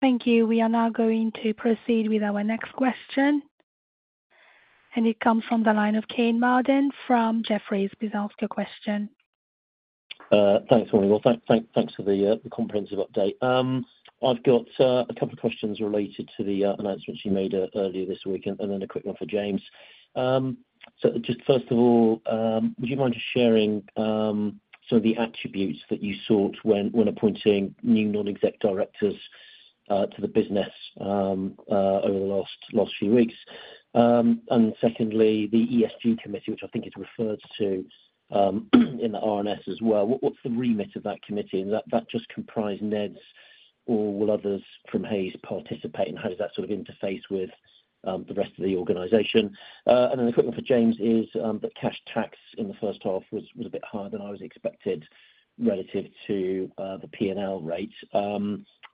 Thank you. We are now going to proceed with our next question. It comes from the line of Kean Marden from Jefferies. Please ask your question. Thanks, Ronnie. Well, thanks for the comprehensive update. I've got a couple of questions related to the announcements you made earlier this week, and then a quick one for James. So just first of all, would you mind just sharing some of the attributes that you sought when appointing new non-exec directors to the business over the last few weeks? Secondly, the ESG committee, which I think is referred to in the RNS as well, what's the remit of that committee? And that just comprised NEDs or will others from Hays participate, and how does that sort of interface with the rest of the organization? And then a quick one for James is that cash tax in the first half was a bit higher than I was expected relative to the P&L rate.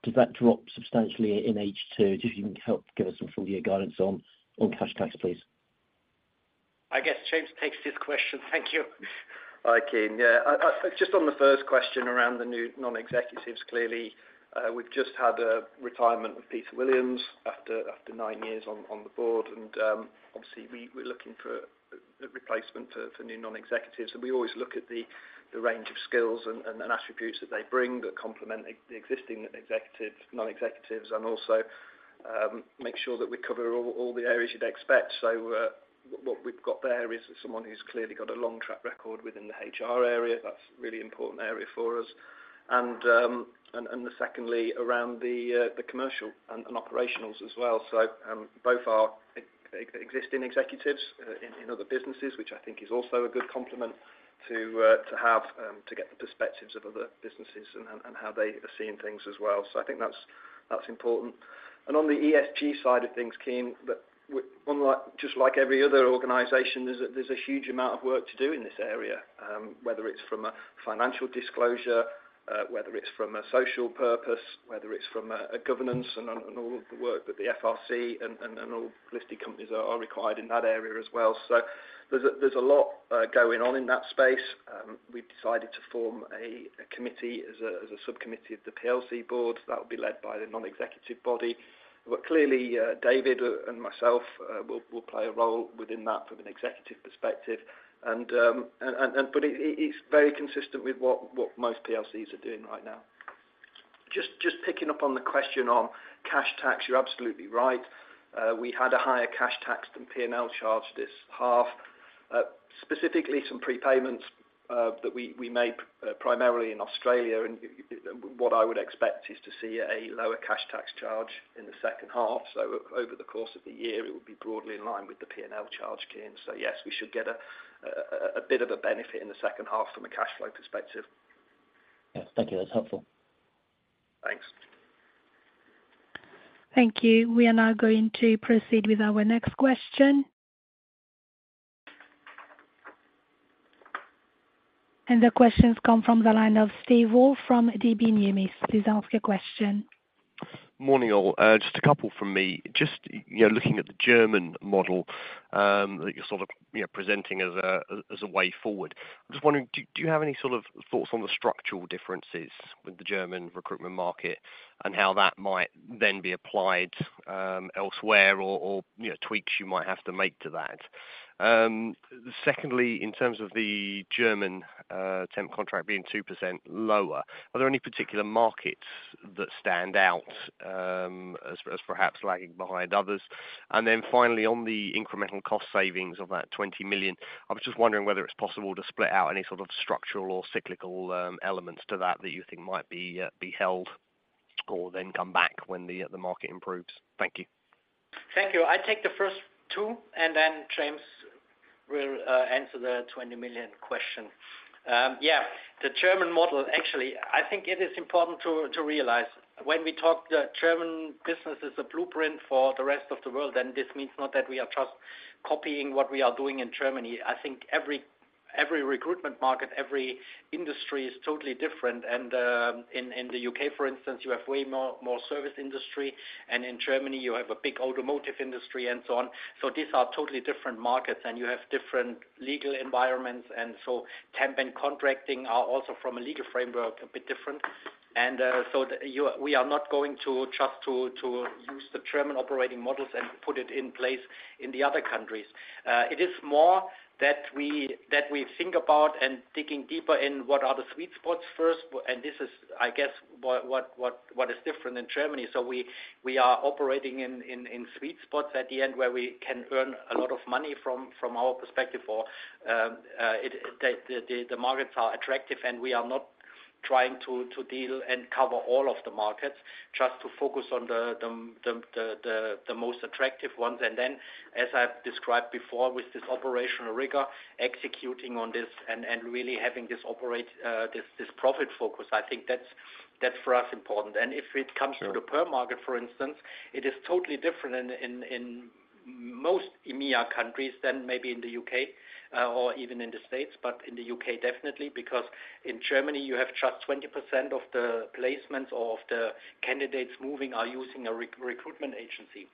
Does that drop substantially in H2? Do you can help give us some full-year guidance on cash tax, please? I guess James takes this question. Thank you. Hi, Kean. Yeah. Just on the first question around the new non-executives, clearly, we've just had a retirement of Peter Williams after nine years on the board. And obviously, we're looking for a replacement for new non-executives. We always look at the range of skills and attributes that they bring that complement the existing non-executives and also make sure that we cover all the areas you'd expect. So what we've got there is someone who's clearly got a long track record within the HR area. That's a really important area for us. Secondly, around the commercial and operationals as well. So both our existing executives in other businesses, which I think is also a good complement to have, to get the perspectives of other businesses and how they are seeing things as well. So I think that's important. On the ESG side of things, Kean, just like every other organization, there's a huge amount of work to do in this area, whether it's from a financial disclosure, whether it's from a social purpose, whether it's from governance and all of the work that the FRC and all listed companies are required in that area as well. So there's a lot going on in that space. We've decided to form a committee as a subcommittee of the PLC board. That will be led by the non-executive body. But clearly, David and myself will play a role within that from an executive perspective. But it's very consistent with what most PLCs are doing right now. Just picking up on the question on cash tax, you're absolutely right. We had a higher cash tax than P&L charge this half, specifically some prepayments that we made primarily in Australia. What I would expect is to see a lower cash tax charge in the second half. So over the course of the year, it would be broadly in line with the P&L charge, Kean. So yes, we should get a bit of a benefit in the second half from a cash flow perspective. Yes. Thank you. That's helpful. Thanks. Thank you. We are now going to proceed with our next question. The questions come from the line of Steve Woolf from DB Numis. Please ask your question. Morning, all. Just a couple from me. Just looking at the German model that you're sort of presenting as a way forward, I'm just wondering, do you have any sort of thoughts on the structural differences with the German recruitment market and how that might then be applied elsewhere or tweaks you might have to make to that? Secondly, in terms of the German TEMP contract being 2% lower, are there any particular markets that stand out as perhaps lagging behind others? And then finally, on the incremental cost savings of that 20 million, I was just wondering whether it's possible to split out any sort of structural or cyclical elements to that that you think might be held or then come back when the market improves. Thank you. Thank you. I'd take the first two, and then James will answer the 20 million question. Yeah. The German model, actually, I think it is important to realize. When we talk that German business is a blueprint for the rest of the world, then this means not that we are just copying what we are doing in Germany. I think every recruitment market, every industry is totally different. In the U.K., for instance, you have way more service industry, and in Germany, you have a big automotive industry and so on. These are totally different markets, and you have different legal environments. TEMP and contracting are also from a legal framework a bit different. We are not going to just use the German operating models and put it in place in the other countries. It is more that we think about and digging deeper in what are the sweet spots first. This is, I guess, what is different in Germany. We are operating in sweet spots at the end where we can earn a lot of money from our perspective, or the markets are attractive, and we are not trying to deal and cover all of the markets, just to focus on the most attractive ones. Then, as I've described before, with this operational rigor, executing on this and really having this profit focus, I think that's for us important. And if it comes to the perm market, for instance, it is totally different in most EMEA countries than maybe in the UK or even in the States, but in the UK definitely, because in Germany, you have just 20% of the placements or of the candidates moving are using a recruitment agency.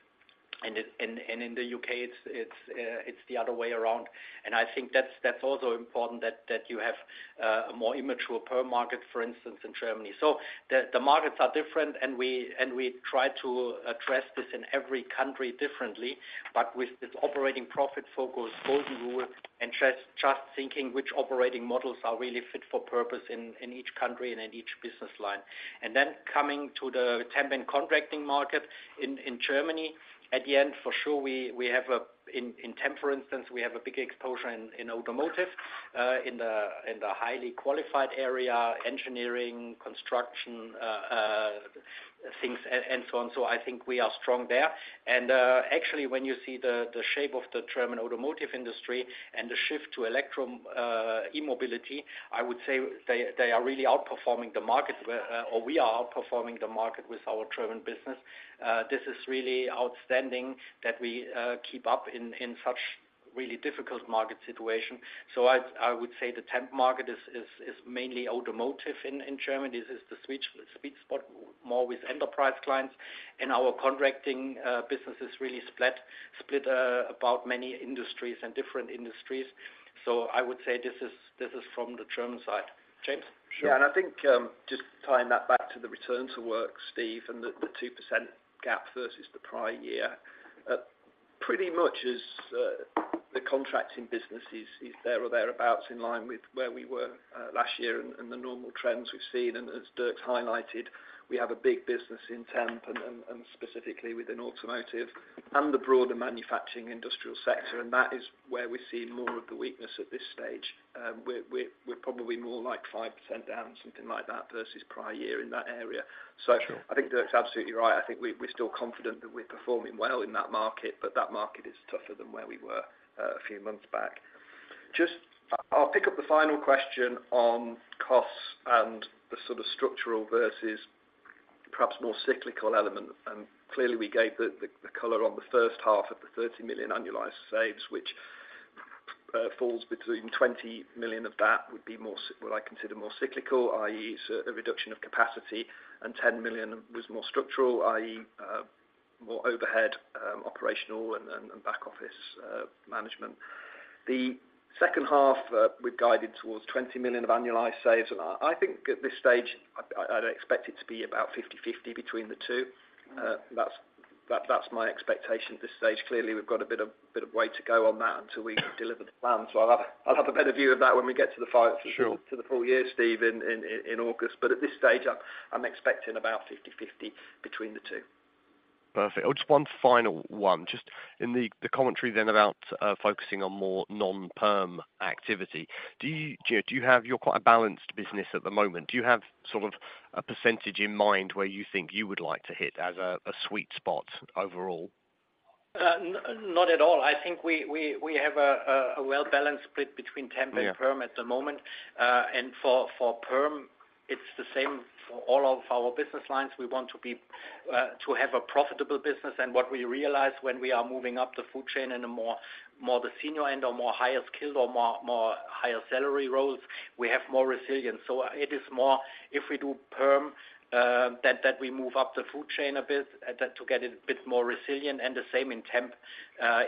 And in the UK, it's the other way around. And I think that's also important that you have a more immature perm market, for instance, in Germany. So the markets are different, and we try to address this in every country differently, but with this operating profit focus, golden rule, and just thinking which operating models are really fit for purpose in each country and in each business line. Coming to the TEMP and contracting market in Germany, at the end, for sure, we have a in TEMP, for instance, we have a big exposure in automotive, in the highly qualified area, engineering, construction things, and so on. So I think we are strong there. Actually, when you see the shape of the German automotive industry and the shift to e-mobility, I would say they are really outperforming the market, or we are outperforming the market with our German business. This is really outstanding that we keep up in such really difficult market situation. So I would say the TEMP market is mainly automotive in Germany. This is the sweet spot more with enterprise clients. And our contracting business is really split about many industries and different industries. So I would say this is from the German side. James? Sure. Yeah. I think just tying that back to the return to work, Steve, and the 2% gap versus the prior year, pretty much as the contracting business is there or thereabouts in line with where we were last year and the normal trends we've seen. As Dirk's highlighted, we have a big business in TEMP and specifically within automotive and the broader manufacturing industrial sector. That is where we see more of the weakness at this stage. We're probably more like 5% down, something like that, versus prior year in that area. So I think Dirk's absolutely right. I think we're still confident that we're performing well in that market, but that market is tougher than where we were a few months back. Just I'll pick up the final question on costs and the sort of structural versus perhaps more cyclical element. Clearly, we gave the color on the first half of the 30 million annualized saves, which falls between 20 million of that would be what I consider more cyclical, i.e., a reduction of capacity, and 10 million was more structural, i.e., more overhead, operational, and back-office management. The second half, we've guided towards 20 million of annualized saves. And I think at this stage, I'd expect it to be about 50/50 between the two. That's my expectation at this stage. Clearly, we've got a bit of way to go on that until we deliver the plan. So I'll have a better view of that when we get to the full year, Steve, in August. But at this stage, I'm expecting about 50/50 between the two. Perfect. I'll just one final one. Just in the commentary then about focusing on more non-Perm activity, do you have? You're quite a balanced business at the moment. Do you have sort of a percentage in mind where you think you would like to hit as a sweet spot overall? Not at all. I think we have a well-balanced split between TEMP and PERM at the moment. For PERM, it's the same for all of our business lines. We want to have a profitable business. What we realise when we are moving up the food chain in a more the senior end or more higher skilled or more higher salary roles, we have more resilience. So it is more if we do PERM, that we move up the food chain a bit to get it a bit more resilient. The same in TEMP.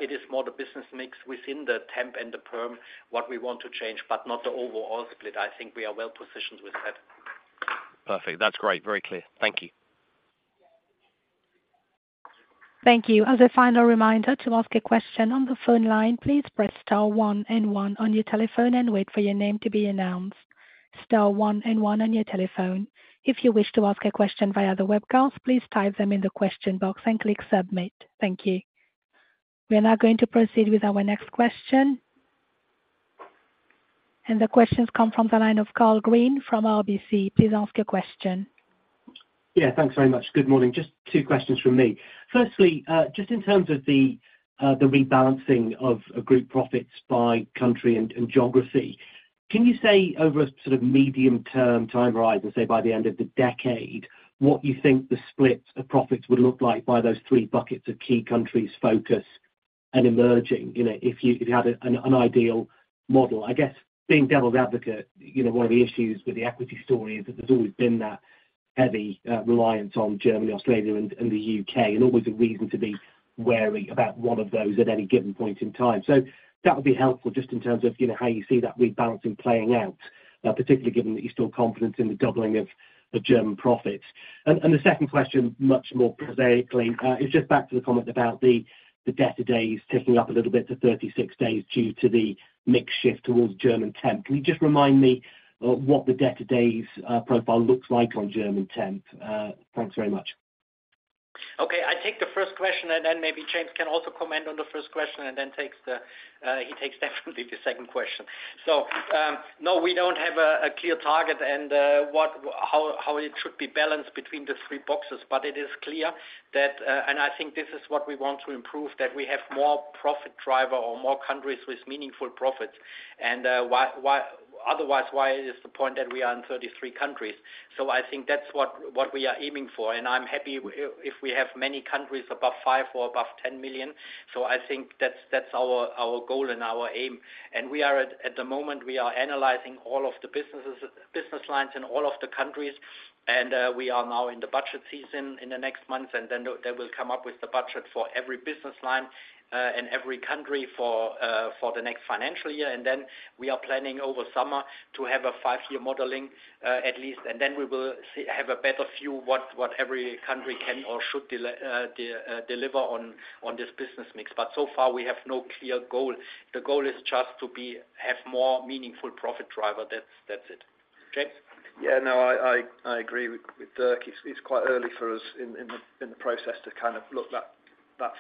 It is more the business mix within the TEMP and the PERM what we want to change, but not the overall split. I think we are well positioned with that. Perfect. That's great. Very clear. Thank you. Thank you. As a final reminder to ask a question on the phone line, please press star 1 and 1 on your telephone and wait for your name to be announced. Star 1 and 1 on your telephone. If you wish to ask a question via the webcast, please type them in the question box and click submit. Thank you. We are now going to proceed with our next question. The questions come from the line of Karl Green from RBC. Please ask your question. Yeah. Thanks very much. Good morning. Just two questions from me. Firstly, just in terms of the rebalancing of group profits by country and geography, can you say over a sort of medium-term time horizon, say by the end of the decade, what you think the split of profits would look like by those three buckets of key countries, focus, and emerging if you had an ideal model? I guess being Devil's advocate, one of the issues with the equity story is that there's always been that heavy reliance on Germany, Australia, and the UK, and always a reason to be wary about one of those at any given point in time. So that would be helpful just in terms of how you see that rebalancing playing out, particularly given that you're still confident in the doubling of German profits. And the second question, much more prosaically, is just back to the comment about the debt to days ticking up a little bit to 36 days due to the mix shift towards German TEMP. Can you just remind me what the debt to days profile looks like on German TEMP? Thanks very much. Okay. I'd take the first question, and then maybe James can also comment on the first question, and then he takes definitely the second question. So no, we don't have a clear target and how it should be balanced between the three boxes. But it is clear that, and I think this is what we want to improve, that we have more profit driver or more countries with meaningful profits. And otherwise, why is the point that we are in 33 countries? So I think that's what we are aiming for. I'm happy if we have many countries above 5 or above 10 million. So I think that's our goal and our aim. At the moment, we are analysing all of the business lines in all of the countries. We are now in the budget season in the next months, and then they will come up with the budget for every business line and every co untry for the next financial year. Then we are planning over summer to have a 5-year modelling at least. Then we will have a better view what every country can or should deliver on this business mix. But so far, we have no clear goal. The goal is just to have more meaningful profit driver. That's it. James? Yeah. No, I agree with Dirk. It's quite early for us in the process to kind of look that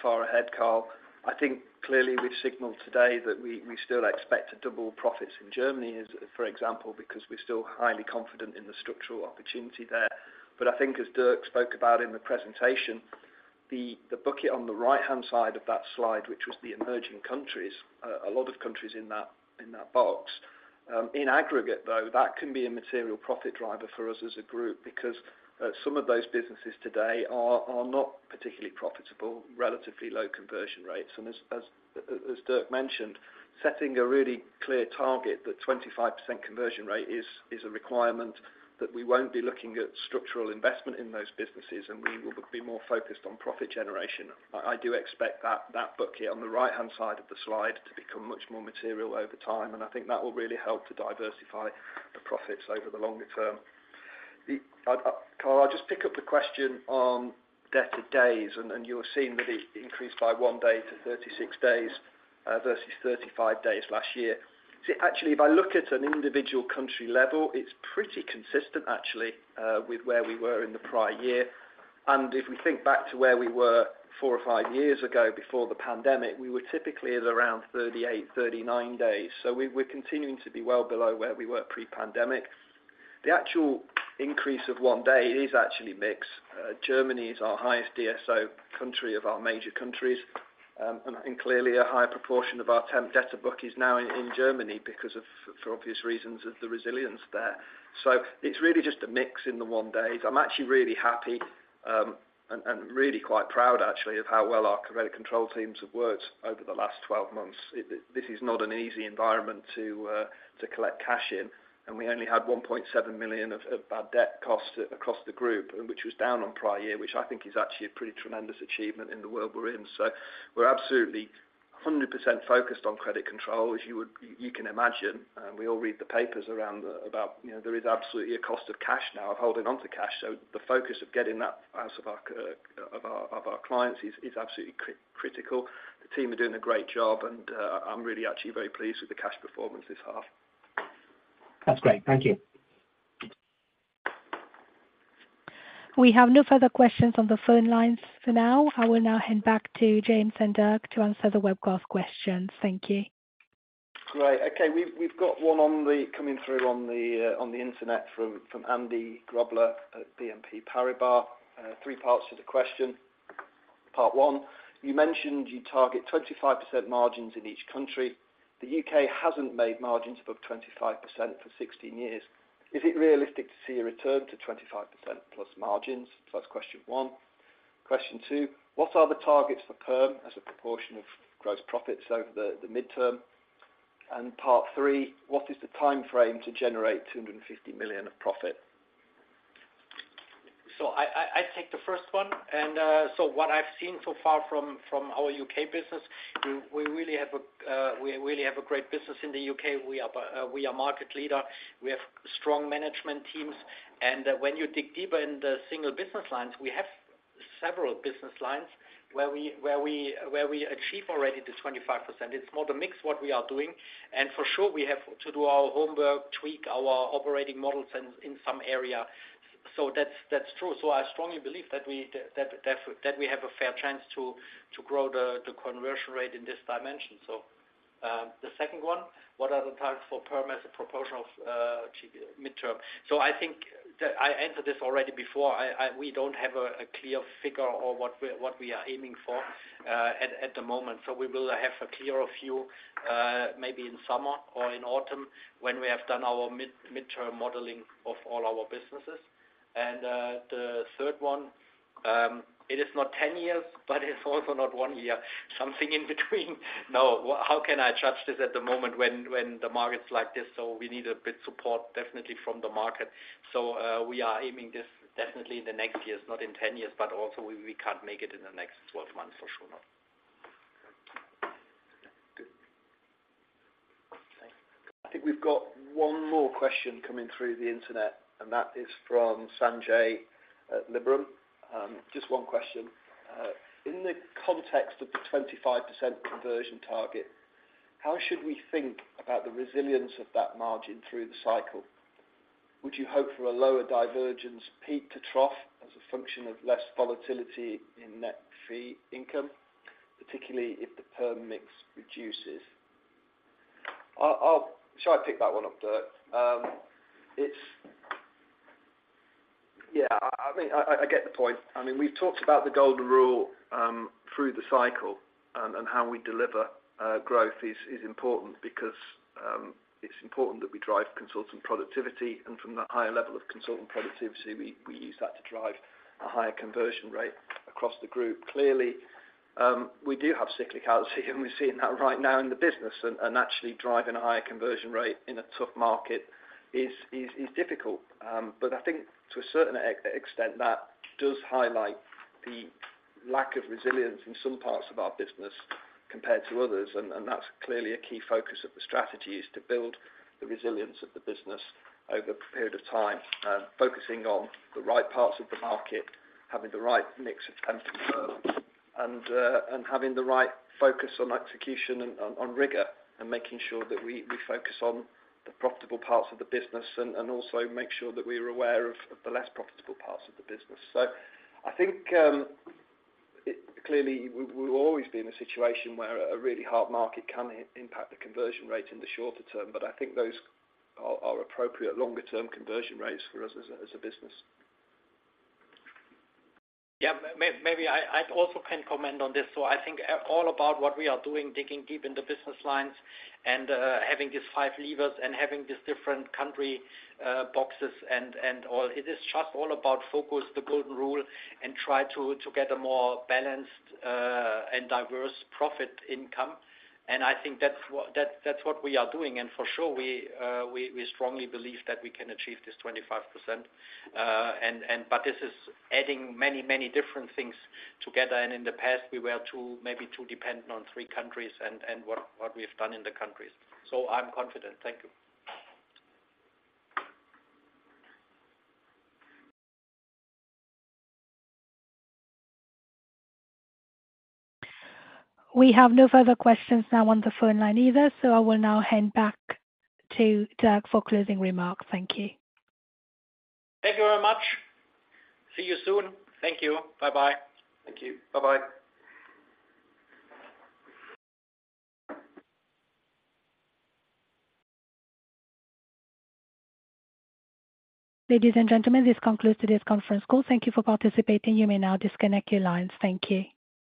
far ahead, Carl. I think clearly we've signalled today that we still expect to double profits in Germany, for example, because we're still highly confident in the structural opportunity there. But I think, as Dirk spoke about in the presentation, the bucket on the right-hand side of that slide, which was the emerging countries, a lot of countries in that box, in aggregate, though, that can be a material profit driver for us as a group because some of those businesses today are not particularly profitable, relatively low conversion rates. And as Dirk mentioned, setting a really clear target that 25% conversion rate is a requirement, that we won't be looking at structural investment in those businesses, and we will be more focused on profit generation. I do expect that bucket on the right-hand side of the slide to become much more material over time. I think that will really help to diversify the profits over the longer term. Karl, I'll just pick up the question on debt to days. You're seeing that it increased by 1 day to 36 days versus 35 days last year. Actually, if I look at an individual country level, it's pretty consistent, actually, with where we were in the prior year. If we think back to where we were 4 or 5 years ago before the pandemic, we were typically at around 38, 39 days. We're continuing to be well below where we were pre-pandemic. The actual increase of 1 day, it is actually mix. Germany is our highest DSO country of our major countries. Clearly, a higher proportion of our TEMP debt to book is now in Germany because of, for obvious reasons, the resilience there. So it's really just a mix in the one days. I'm actually really happy and really quite proud, actually, of how well our credit control teams have worked over the last 12 months. This is not an easy environment to collect cash in. And we only had 1.7 million of bad debt costs across the group, which was down on prior year, which I think is actually a pretty tremendous achievement in the world we're in. So we're absolutely 100% focused on credit control, as you can imagine. We all read the papers around about there is absolutely a cost of cash now of holding onto cash. So the focus of getting that out of our clients is absolutely critical. The team are doing a great job, and I'm really actually very pleased with the cash performance this half. That's great. Thank you. We have no further questions on the phone lines for now. I will now hand back to James and Dirk to answer the webcast questions. Thank you. Great. Okay. We've got one coming through on the internet from Andy Grobler at BNP Paribas, three parts to the question. Part one, you mentioned you target 25% margins in each country. The UK hasn't made margins above 25% for 16 years. Is it realistic to see a return to 25% plus margins? So that's question one. Question two, what are the targets for PERM as a proportion of gross profits over the midterm? And part three, what is the timeframe to generate 250 million of profit? So I'd take the first one. And so what I've seen so far from our UK business, we really have a we really have a great business in the UK. We are market leader. We have strong management teams. When you dig deeper in the single business lines, we have several business lines where we achieve already the 25%. It's more the mix what we are doing. For sure, we have to do our homework, tweak our operating models in some area. That's true. I strongly believe that we have a fair chance to grow the conversion rate in this dimension. The second one, what are the targets for PERM as a proportion of midterm? I think I answered this already before. We don't have a clear figure or what we are aiming for at the moment. We will have a clearer view maybe in summer or in autumn when we have done our midterm modelling of all our businesses. And the third one, it is not 10 years, but it's also not 1 year, something in between. No, how can I judge this at the moment when the market's like this? So we need a bit support, definitely, from the market. So we are aiming this definitely in the next years, not in 10 years, but also we can't make it in the next 12 months, for sure not. Good. Thanks. I think we've got one more question coming through the internet, and that is from Sanjay at Liberum. Just one question. In the context of the 25% conversion target, how should we think about the resilience of that margin through the cycle? Would you hope for a lower divergence peak to trough as a function of less volatility in net fee income, particularly if the PERM mix reduces? Shall I pick that one up, Dirk? Yeah. I mean, I get the point. I mean, we've talked about the golden rule through the cycle, and how we deliver growth is important because it's important that we drive consultant productivity. From that higher level of consultant productivity, we use that to drive a higher conversion rate across the group. Clearly, we do have cyclicality, and we're seeing that right now in the business. Actually driving a higher conversion rate in a tough market is difficult. I think to a certain extent, that does highlight the lack of resilience in some parts of our business compared to others. That's clearly a key focus of the strategy is to build the resilience of the business over a period of time, focusing on the right parts of the market, having the right mix of TEMP and PERM, and having the right focus on execution and on rigor, and making sure that we focus on the profitable parts of the business and also make sure that we are aware of the less profitable parts of the business. I think clearly, we've always been in a situation where a really hard market can impact the conversion rate in the shorter term. I think those are appropriate longer-term conversion rates for us as a business. Yeah. Maybe I also can comment on this. So I think all about what we are doing, digging deep in the business lines and having these five levers and having these different country boxes and all, it is just all about focus, the golden rule, and try to get a more balanced and diverse profit income. And I think that's what we are doing. And for sure, we strongly believe that we can achieve this 25%. But this is adding many, many different things together. And in the past, we were maybe too dependent on three countries and what we've done in the countries. So I'm confident. Thank you. We have no further questions now on the phone line either. So I will now hand back to Dirk for closing remarks. Thank you. Thank you very much. See you soon. Thank you. Bye-bye. Thank you. Bye-bye. Ladies and gentlemen, this concludes today's conference call. Thank you for participating. You may now disconnect your lines. Thank you.